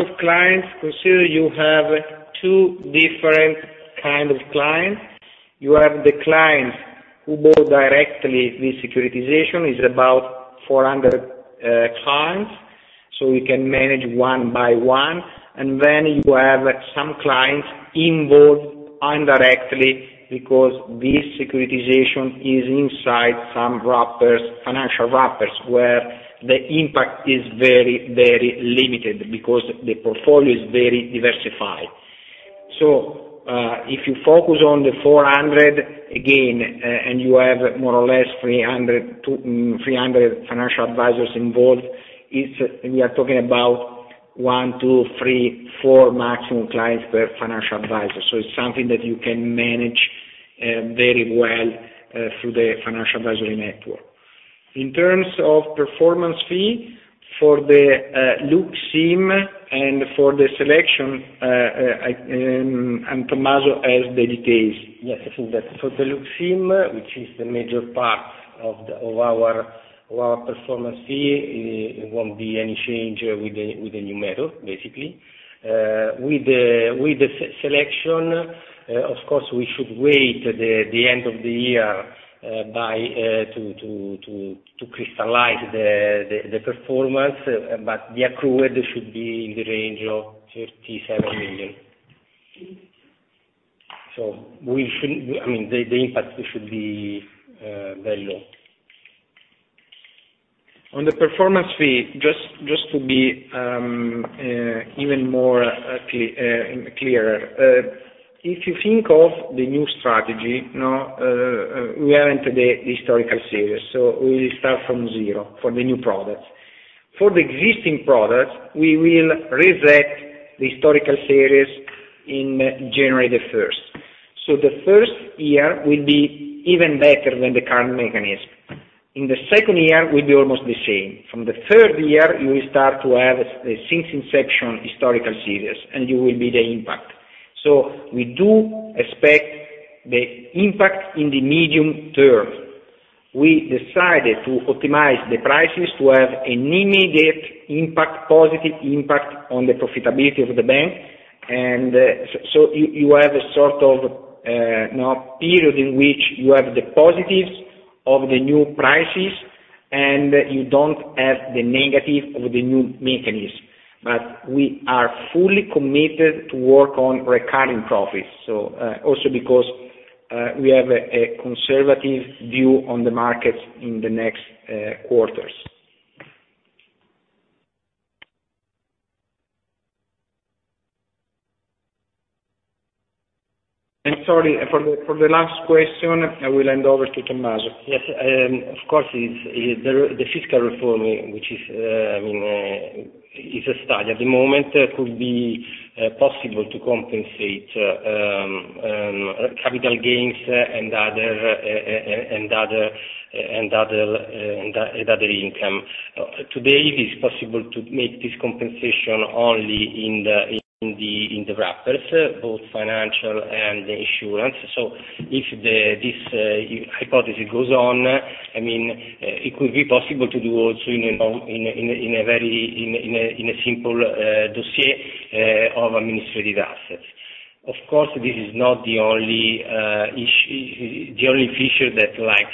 of clients, consider you have two different kind of clients. You have the clients who bought directly this securitization, is about 400 clients, we can manage one by one. You have some clients involved indirectly because this securitization is inside some financial wrappers where the impact is very limited because the portfolio is very diversified. If you focus on the 400 again, you have more or less 300 financial advisors involved we are talking about one, two, three, four maximum clients per financial advisor. It's something that you can manage very well through the financial advisory network. In terms of performance fee for the Lux IM and for the BG Selection, Tommaso has the details. Yes. I think that for the Lux IM, which is the major part of our performance fee, it won't be any change with the new model, basically. With the BG Selection, of course, we should wait the end of the year to crystallize the performance, the accrued should be in the range of 37 million. The impact should be very low. On the performance fee, just to be even more clearer. If you think of the new strategy, we haven't the historical series, we will start from zero for the new products. For the existing products, we will reset the historical series in January the 1st. The first year will be even better than the current mechanism. In the second year, will be almost the same. From the third year, you will start to have a since inception historical series, and you will see the impact. We do expect the impact in the medium term. We decided to optimize the prices to have an immediate positive impact on the profitability of the bank, you have a sort of period in which you have the positives of the new prices, and you don't have the negative of the new mechanism. We are fully committed to work on recurring profits, also because we have a conservative view on the markets in the next quarters. Sorry, for the last question, I will hand over to Tommaso. Yes. Of course, the fiscal reform, which is a study at the moment, could be possible to compensate capital gains and other income. Today, it is possible to make this compensation only in the wrappers, both financial and insurance. If this hypothesis goes on, it could be possible to do also in a simple dossier of administrative assets. Of course, this is not the only feature that likes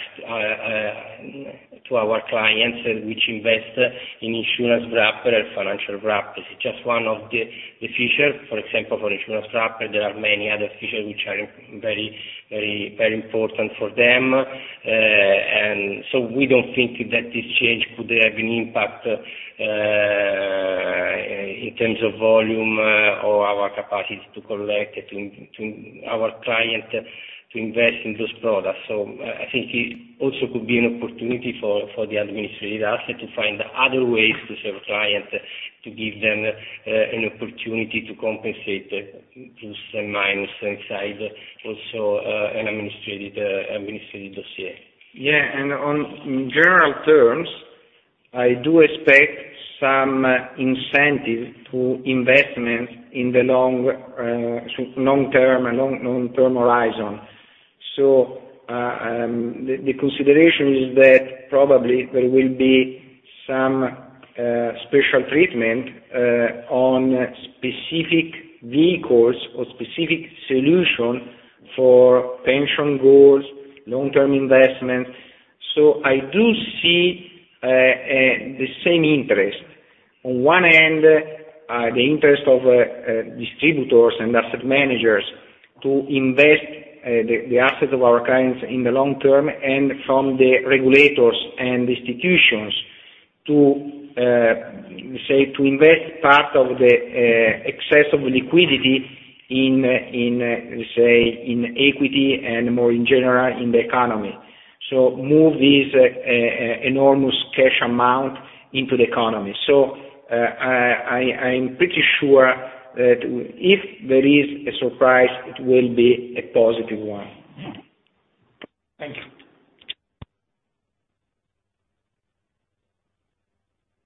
to our clients, which invest in insurance wrapper or financial wrappers. It's just one of the feature. For example, for insurance wrapper, there are many other features which are very important for them. We don't think that this change could have an impact in terms of volume or our capacity to collect, our client to invest in those products. I think it also could be an opportunity for the administrative asset to find other ways to serve clients, to give them an opportunity to compensate plus and minus inside also an administrative dossier. Yeah. In general terms, I do expect some incentive to investments in the long-term horizon. The consideration is that probably there will be some special treatment on specific vehicles or specific solution for pension goals, long-term investments. I do see the same interest. On one end, the interest of distributors and asset managers to invest the assets of our clients in the long term, and from the regulators and institutions, to invest part of the excess of liquidity in equity, and more in general, in the economy. Move this enormous cash amount into the economy. I'm pretty sure that if there is a surprise, it will be a positive one. Thank you.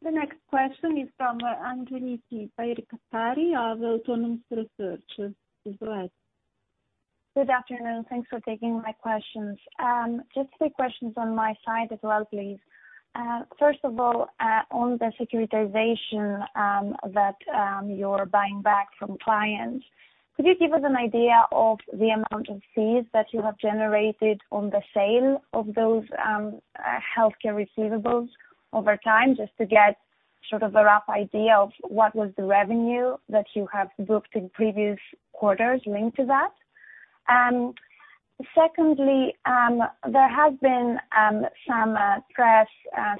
The next question is from Angeliki Bairaktari of Autonomous Research. Go ahead. Good afternoon. Thanks for taking my questions. Just three questions on my side as well, please. First of all, on the securitization that you're buying back from clients, could you give us an idea of the amount of fees that you have generated on the sale of those healthcare receivables over time, just to get sort of a rough idea of what was the revenue that you have booked in previous quarters linked to that? Secondly, there has been some press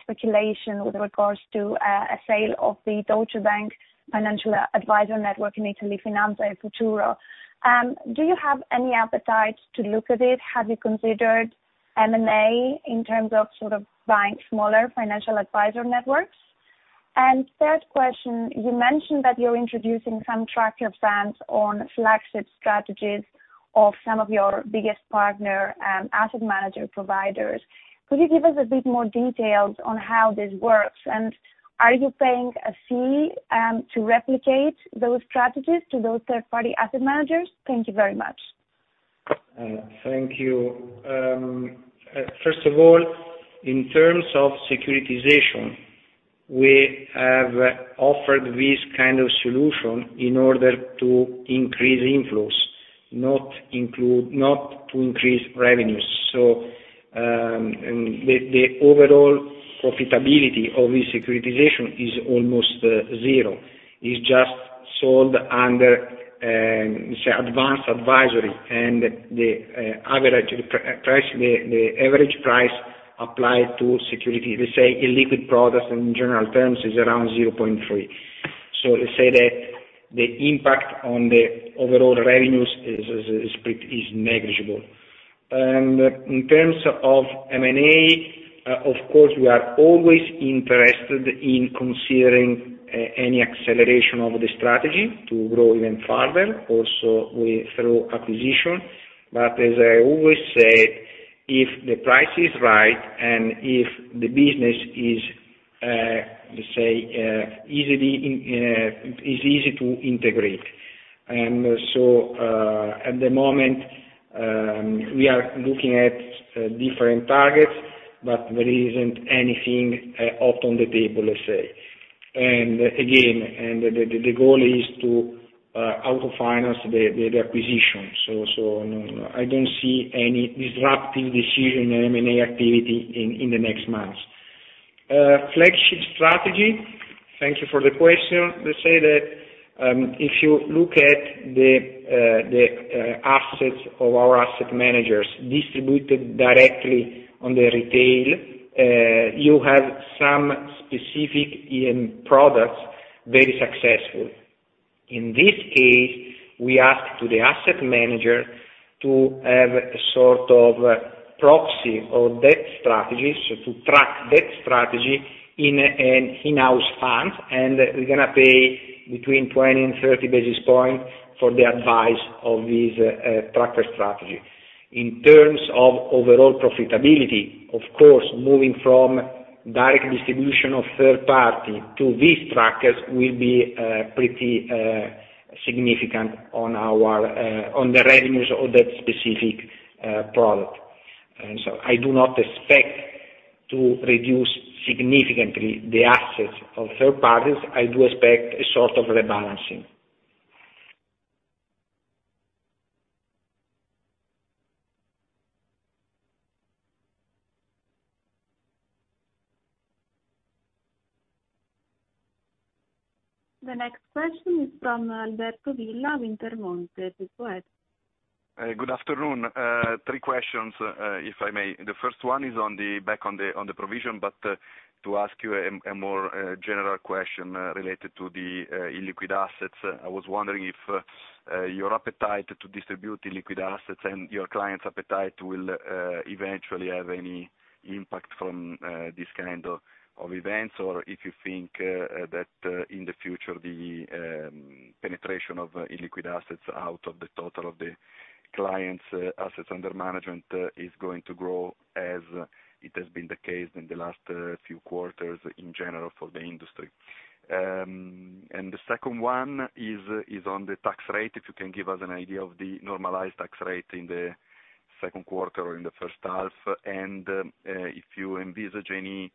speculation with regards to a sale of the Deutsche Bank Financial Advisor network in Italy, Finanza & Futuro. Do you have any appetite to look at it? Have you considered M&A in terms of buying smaller financial advisor networks? Third question, you mentioned that you're introducing some tracker funds on flagship strategies of some of your biggest partner asset manager providers. Could you give us a bit more details on how this works? Are you paying a fee to replicate those strategies to those third-party asset managers? Thank you very much. Thank you. First of all, in terms of securitization, we have offered this kind of solution in order to increase inflows, not to increase revenues. The overall profitability of this securitization is almost zero. It's just sold under advanced advisory, and the average price applied to security, let's say illiquid products in general terms, is around 0.3. Let's say that the impact on the overall revenues is negligible. In terms of M&A, of course, we are always interested in considering any acceleration of the strategy to grow even further, also through acquisition. As I always say, if the price is right, and if the business is easy to integrate. At the moment, we are looking at different targets, but there isn't anything off on the table, let's say. Again, the goal is to auto-finance the acquisition. I don't see any disruptive decision in M&A activity in the next months. Flagship strategy, thank you for the question. Let's say that if you look at the assets of our asset managers distributed directly on the retail, you have some specific products very successful. In this case, we ask to the asset manager to have a sort of proxy or that strategy. To track that strategy in an in-house fund, and we're going to pay between 20 and 30 basis points for the advice of this tracker strategy. In terms of overall profitability, of course, moving from direct distribution of third party to these trackers will be pretty significant on the revenues of that specific product. I do not expect to reduce significantly the assets of third parties. I do expect a sort of rebalancing. The next question is from Alberto Villa, Intermonte. Please go ahead. Good afternoon. Three questions, if I may. The first one is back on the provision, but to ask you a more general question related to the illiquid assets. I was wondering if your appetite to distribute illiquid assets and your clients' appetite will eventually have any impact from this kind of events, or if you think that in the future, the penetration of illiquid assets out of the total of the clients' assets under management is going to grow as it has been the case in the last few quarters in general for the industry. The second one is on the tax rate, if you can give us an idea of the normalized tax rate in the second quarter or in the first half. If you envisage any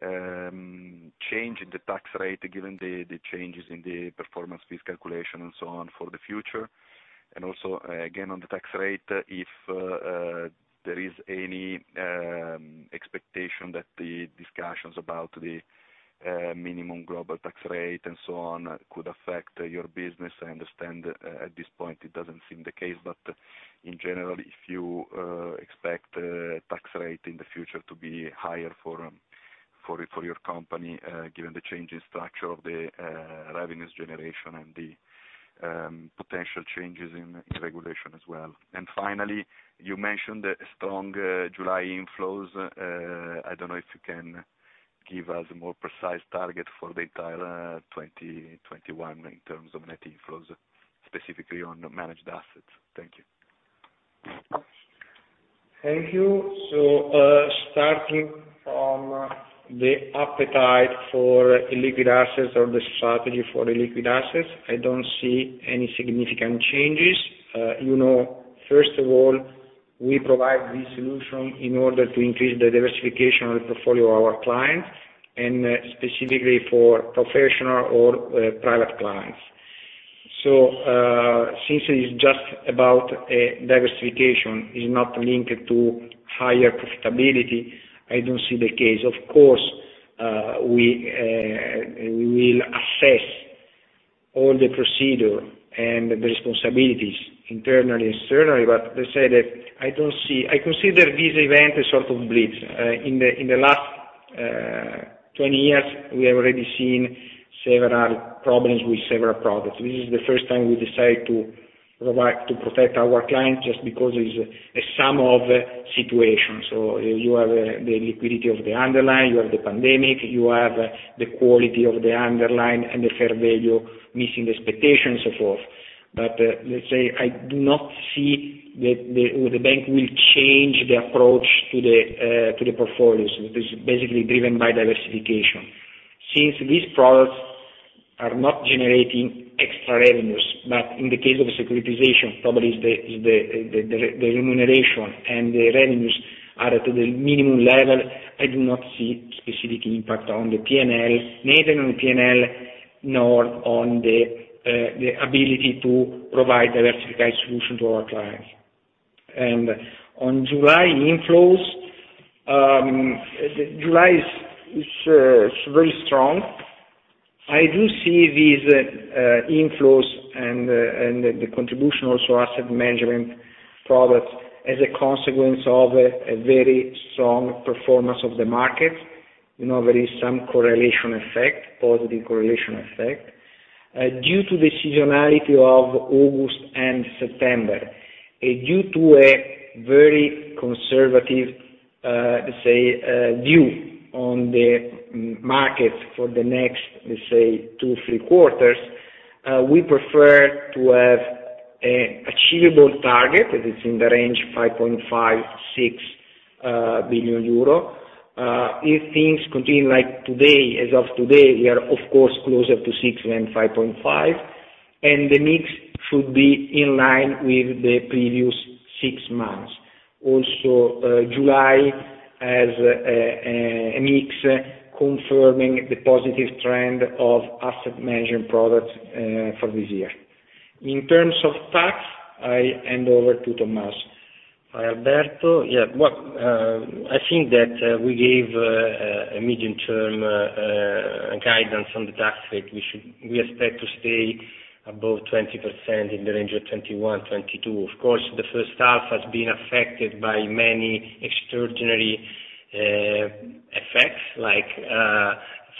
change in the tax rate given the changes in the performance fees calculation and so on for the future. Also, again, on the tax rate, if there is any expectation that the discussions about the minimum global tax rate and so on could affect your business. I understand at this point it doesn't seem the case, but in general, if you expect tax rate in the future to be higher for your company, given the change in structure of the revenues generation and the potential changes in regulation as well. Finally, you mentioned the strong July inflows. I don't know if you can give us a more precise target for the entire 2021 in terms of net inflows, specifically on managed assets. Thank you. Thank you. Starting from the appetite for illiquid assets or the strategy for illiquid assets, I don't see any significant changes. First of all, we provide this solution in order to increase the diversification of the portfolio of our clients, and specifically for professional or private clients. Since it is just about diversification, it's not linked to higher profitability, I don't see the case. Of course, we will assess all the procedure and the responsibilities internally and externally, but let's say that I consider this event a sort of blitz. In the last 20 years, we have already seen several problems with several products. This is the first time we decide to protect our clients, just because it's a sum of situations. You have the liquidity of the underlying, you have the pandemic, you have the quality of the underlying, and the fair value missing the expectations, so forth. Let's say, I do not see the bank will change the approach to the portfolios. It is basically driven by diversification. Since these products are not generating extra revenues, but in the case of a securitization, probably the remuneration and the revenues are at the minimum level. I do not see specific impact on the P&L, neither on the P&L nor on the ability to provide diversified solution to our clients. On July inflows. July is very strong. I do see these inflows and the contribution also, asset management products, as a consequence of a very strong performance of the market. There is some correlation effect, positive correlation effect. Due to the seasonality of August and September, and due to a very conservative view on the market for the next two, three quarters, we prefer to have an achievable target, that is in the range 5.56 billion euro. If things continue like today, as of today, we are of course closer to 6 billion than 5.5 billion, and the mix should be in line with the previous six months. July has a mix confirming the positive trend of asset management products for this year. In terms of tax, I hand over to Tommaso. Hi, Alberto. Yeah. I think that we gave a medium term guidance on the tax rate. We expect to stay above 20% in the range of 21%-22%. Of course, the first half has been affected by many extraordinary effects, like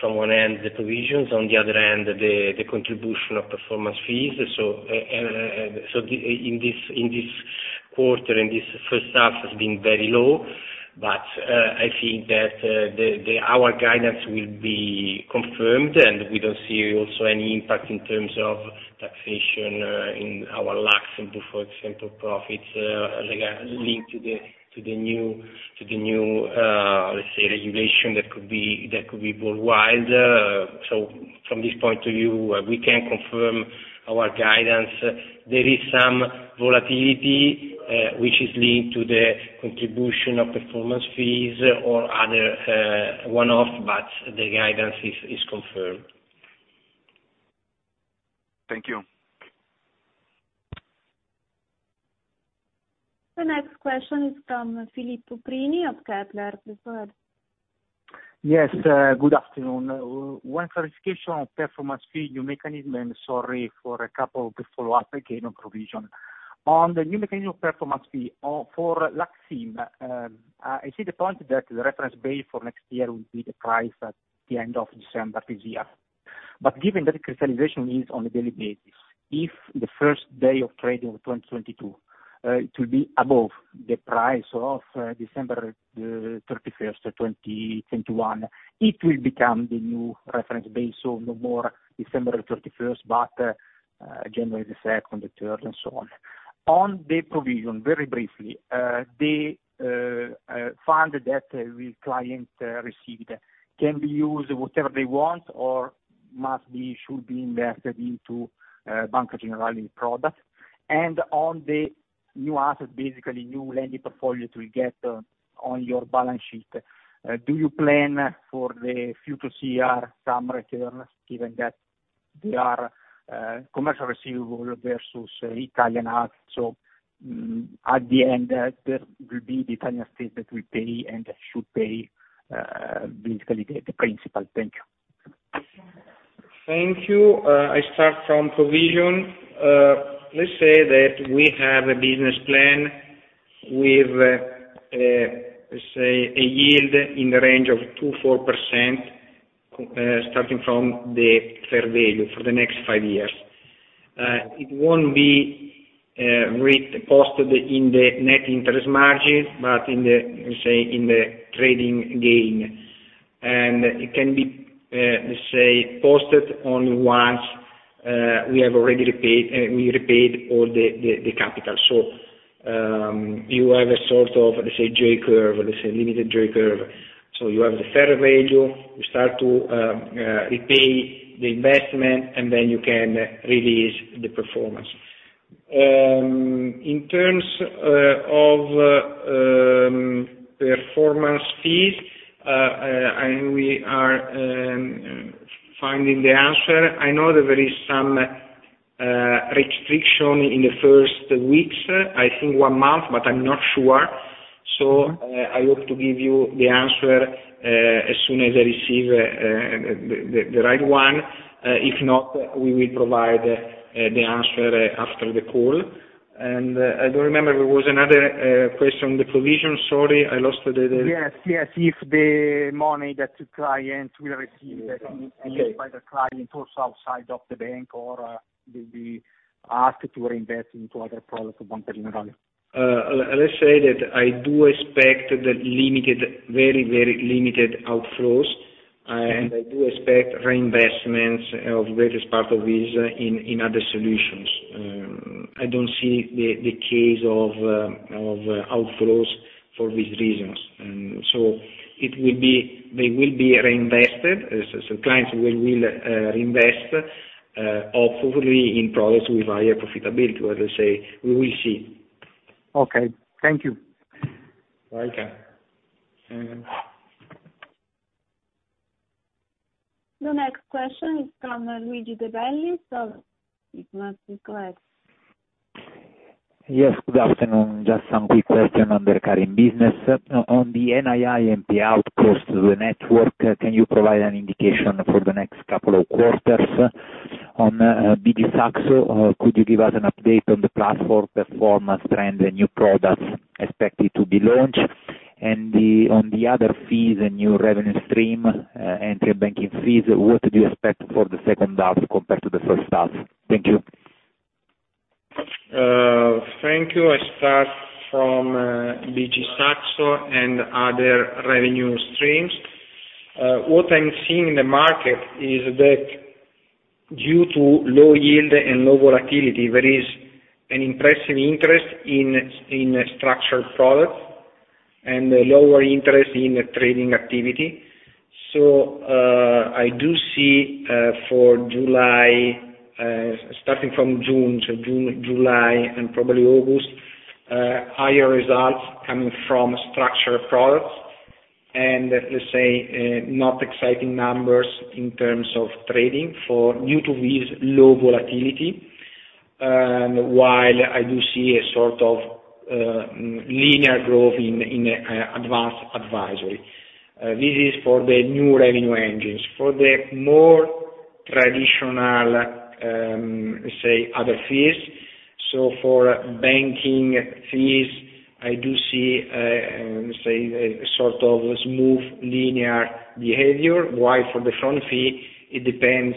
from one end, the provisions, on the other end, the contribution of performance fees. In this quarter, in this first half has been very low, but I think that our guidance will be confirmed, and we don't see also any impact in terms of taxation in our Lux IM, for example, profits linked to the new regulation that could be worldwide. From this point of view, we can confirm our guidance. There is some volatility, which is linked to the contribution of performance fees or other one-off, but the guidance is confirmed. Thank you. The next question is from Filippo Prini of Kepler Cheuvreux. Please go ahead. Yes, good afternoon. One clarification on performance fee, new mechanism, and sorry for a couple of follow-up again on provision. On the new mechanism performance fee, for Lux IM, I see the point that the reference base for next year will be the price at the end of December this year. Given that the crystallization is on a daily basis, if the first day of trading of 2022, it will be above the price of December 31st, 2021, it will become the new reference base, so no more December 31st, but January the 2nd, the 3rd, and so on. On the provision, very briefly, the fund that client received can be used whatever they want or should be invested into Banca Generali product? On the new asset, basically new lending portfolio to get on your balance sheet, do you plan for the future year some return, given that they are commercial receivable versus Italian assets, so at the end, that will be the Italian state that will pay and should pay, basically the principal. Thank you. Thank you. I start from provision. Let's say that we have a business plan with a yield in the range of 2%-4%, starting from the fair value for the next five years. It won't be posted in the net interest margin, but in the trading gain. It can be posted only once we repaid all the capital. You have a sort of limited J curve. You have the fair value, you start to repay the investment, and then you can release the performance. In terms of performance fees, and we are finding the answer. I know that there is some restriction in the first weeks, I think one month, but I'm not sure. I hope to give you the answer as soon as I receive the right one. If not, we will provide the answer after the call. I do remember there was another question, the provision. Sorry, I lost the. Yes. If the money that the client will receive, used by the client also outside of the bank, or will be asked to reinvest into other products of Banca Generali. Let's say that I do expect very limited outflows, and I do expect reinvestments of greatest part of this in other solutions. I don't see the case of outflows for these reasons. They will be reinvested. Clients will reinvest, hopefully in products with higher profitability. Let's say, we will see. Okay. Thank you. Welcome. The next question is from Luigi De Bellis, Equita SIM so if you want to go ahead. Yes, good afternoon. Just some quick question on the current business. On the NII and the outpost to the network, can you provide an indication for the next couple of quarters? On BG Saxo, could you give us an update on the platform performance trends and new products expected to be launched? On the other fees and new revenue stream, and other banking fees, what do you expect for the second half compared to the first half? Thank you. Thank you. I start from BG Saxo and other revenue streams. What I'm seeing in the market is that due to low yield and low volatility, there is an impressive interest in structured products and a lower interest in trading activity. I do see for July, starting from June, July, and probably August, higher results coming from structured products and let's say, not exciting numbers in terms of trading due to this low volatility, while I do see a sort of linear growth in advanced advisory. This is for the new revenue engines. For the more traditional, let's say, other fees, for banking fees, I do see a sort of smooth linear behavior, while for the front fee, it depends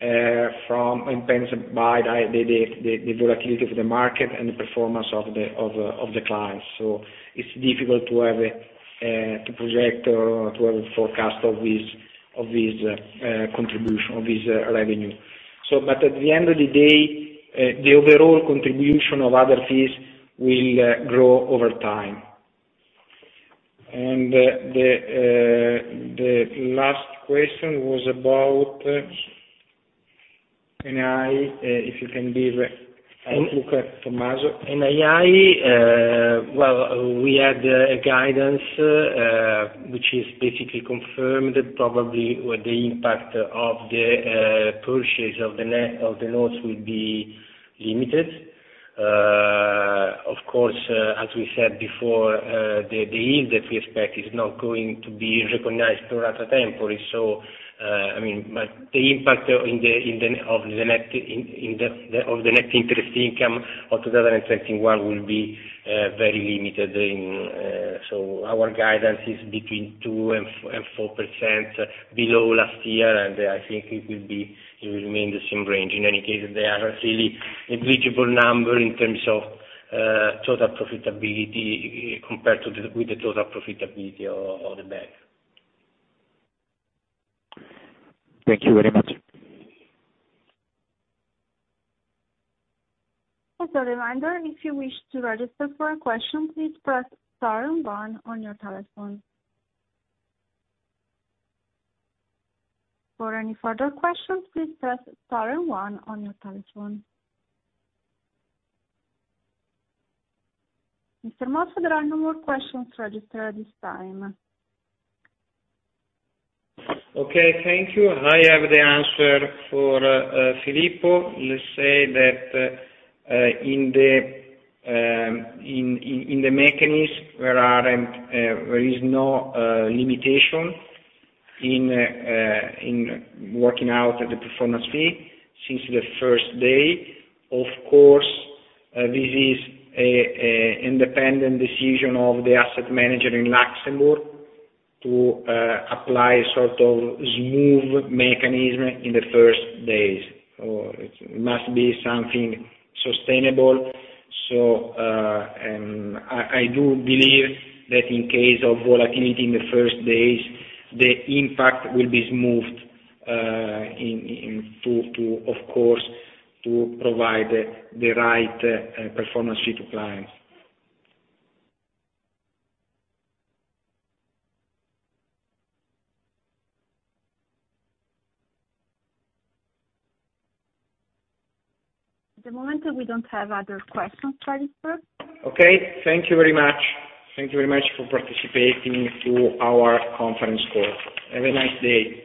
by the volatility of the market and the performance of the client. It's difficult to project or to have a forecast of this contribution, of this revenue. At the end of the day, the overall contribution of other fees will grow over time. The last question was about NII, if you can give a quick, Tommaso. NII, well, we had a guidance, which is basically confirmed probably with the impact of the purchase of the notes will be limited. Of course, as we said before, the yield that we expect is not going to be recognized throughout the. The impact of the net interest income of 2021 will be very limited. Our guidance is between 2% and 4% below last year, and I think it will remain the same range. In any case, they are really a negligible number in terms of total profitability compared with the total profitability of the bank. Thank you very much. As a reminder, if you wish to register for a question, please press star and one on your telephone. For any further questions, please press star and one on your telephone. Mr. Mossa, there are no more questions registered at this time. Okay, thank you. I have the answer for Filippo. Let's say that in the mechanism, there is no limitation in working out the performance fee since the first day. Of course, this is independent decision of the asset manager in Luxembourg to apply sort of smooth mechanism in the first days. It must be something sustainable. I do believe that in case of volatility in the first days, the impact will be smoothed, of course, to provide the right performance fee to clients. At the moment, we don't have other questions registered. Okay. Thank you very much. Thank you very much for participating to our conference call. Have a nice day.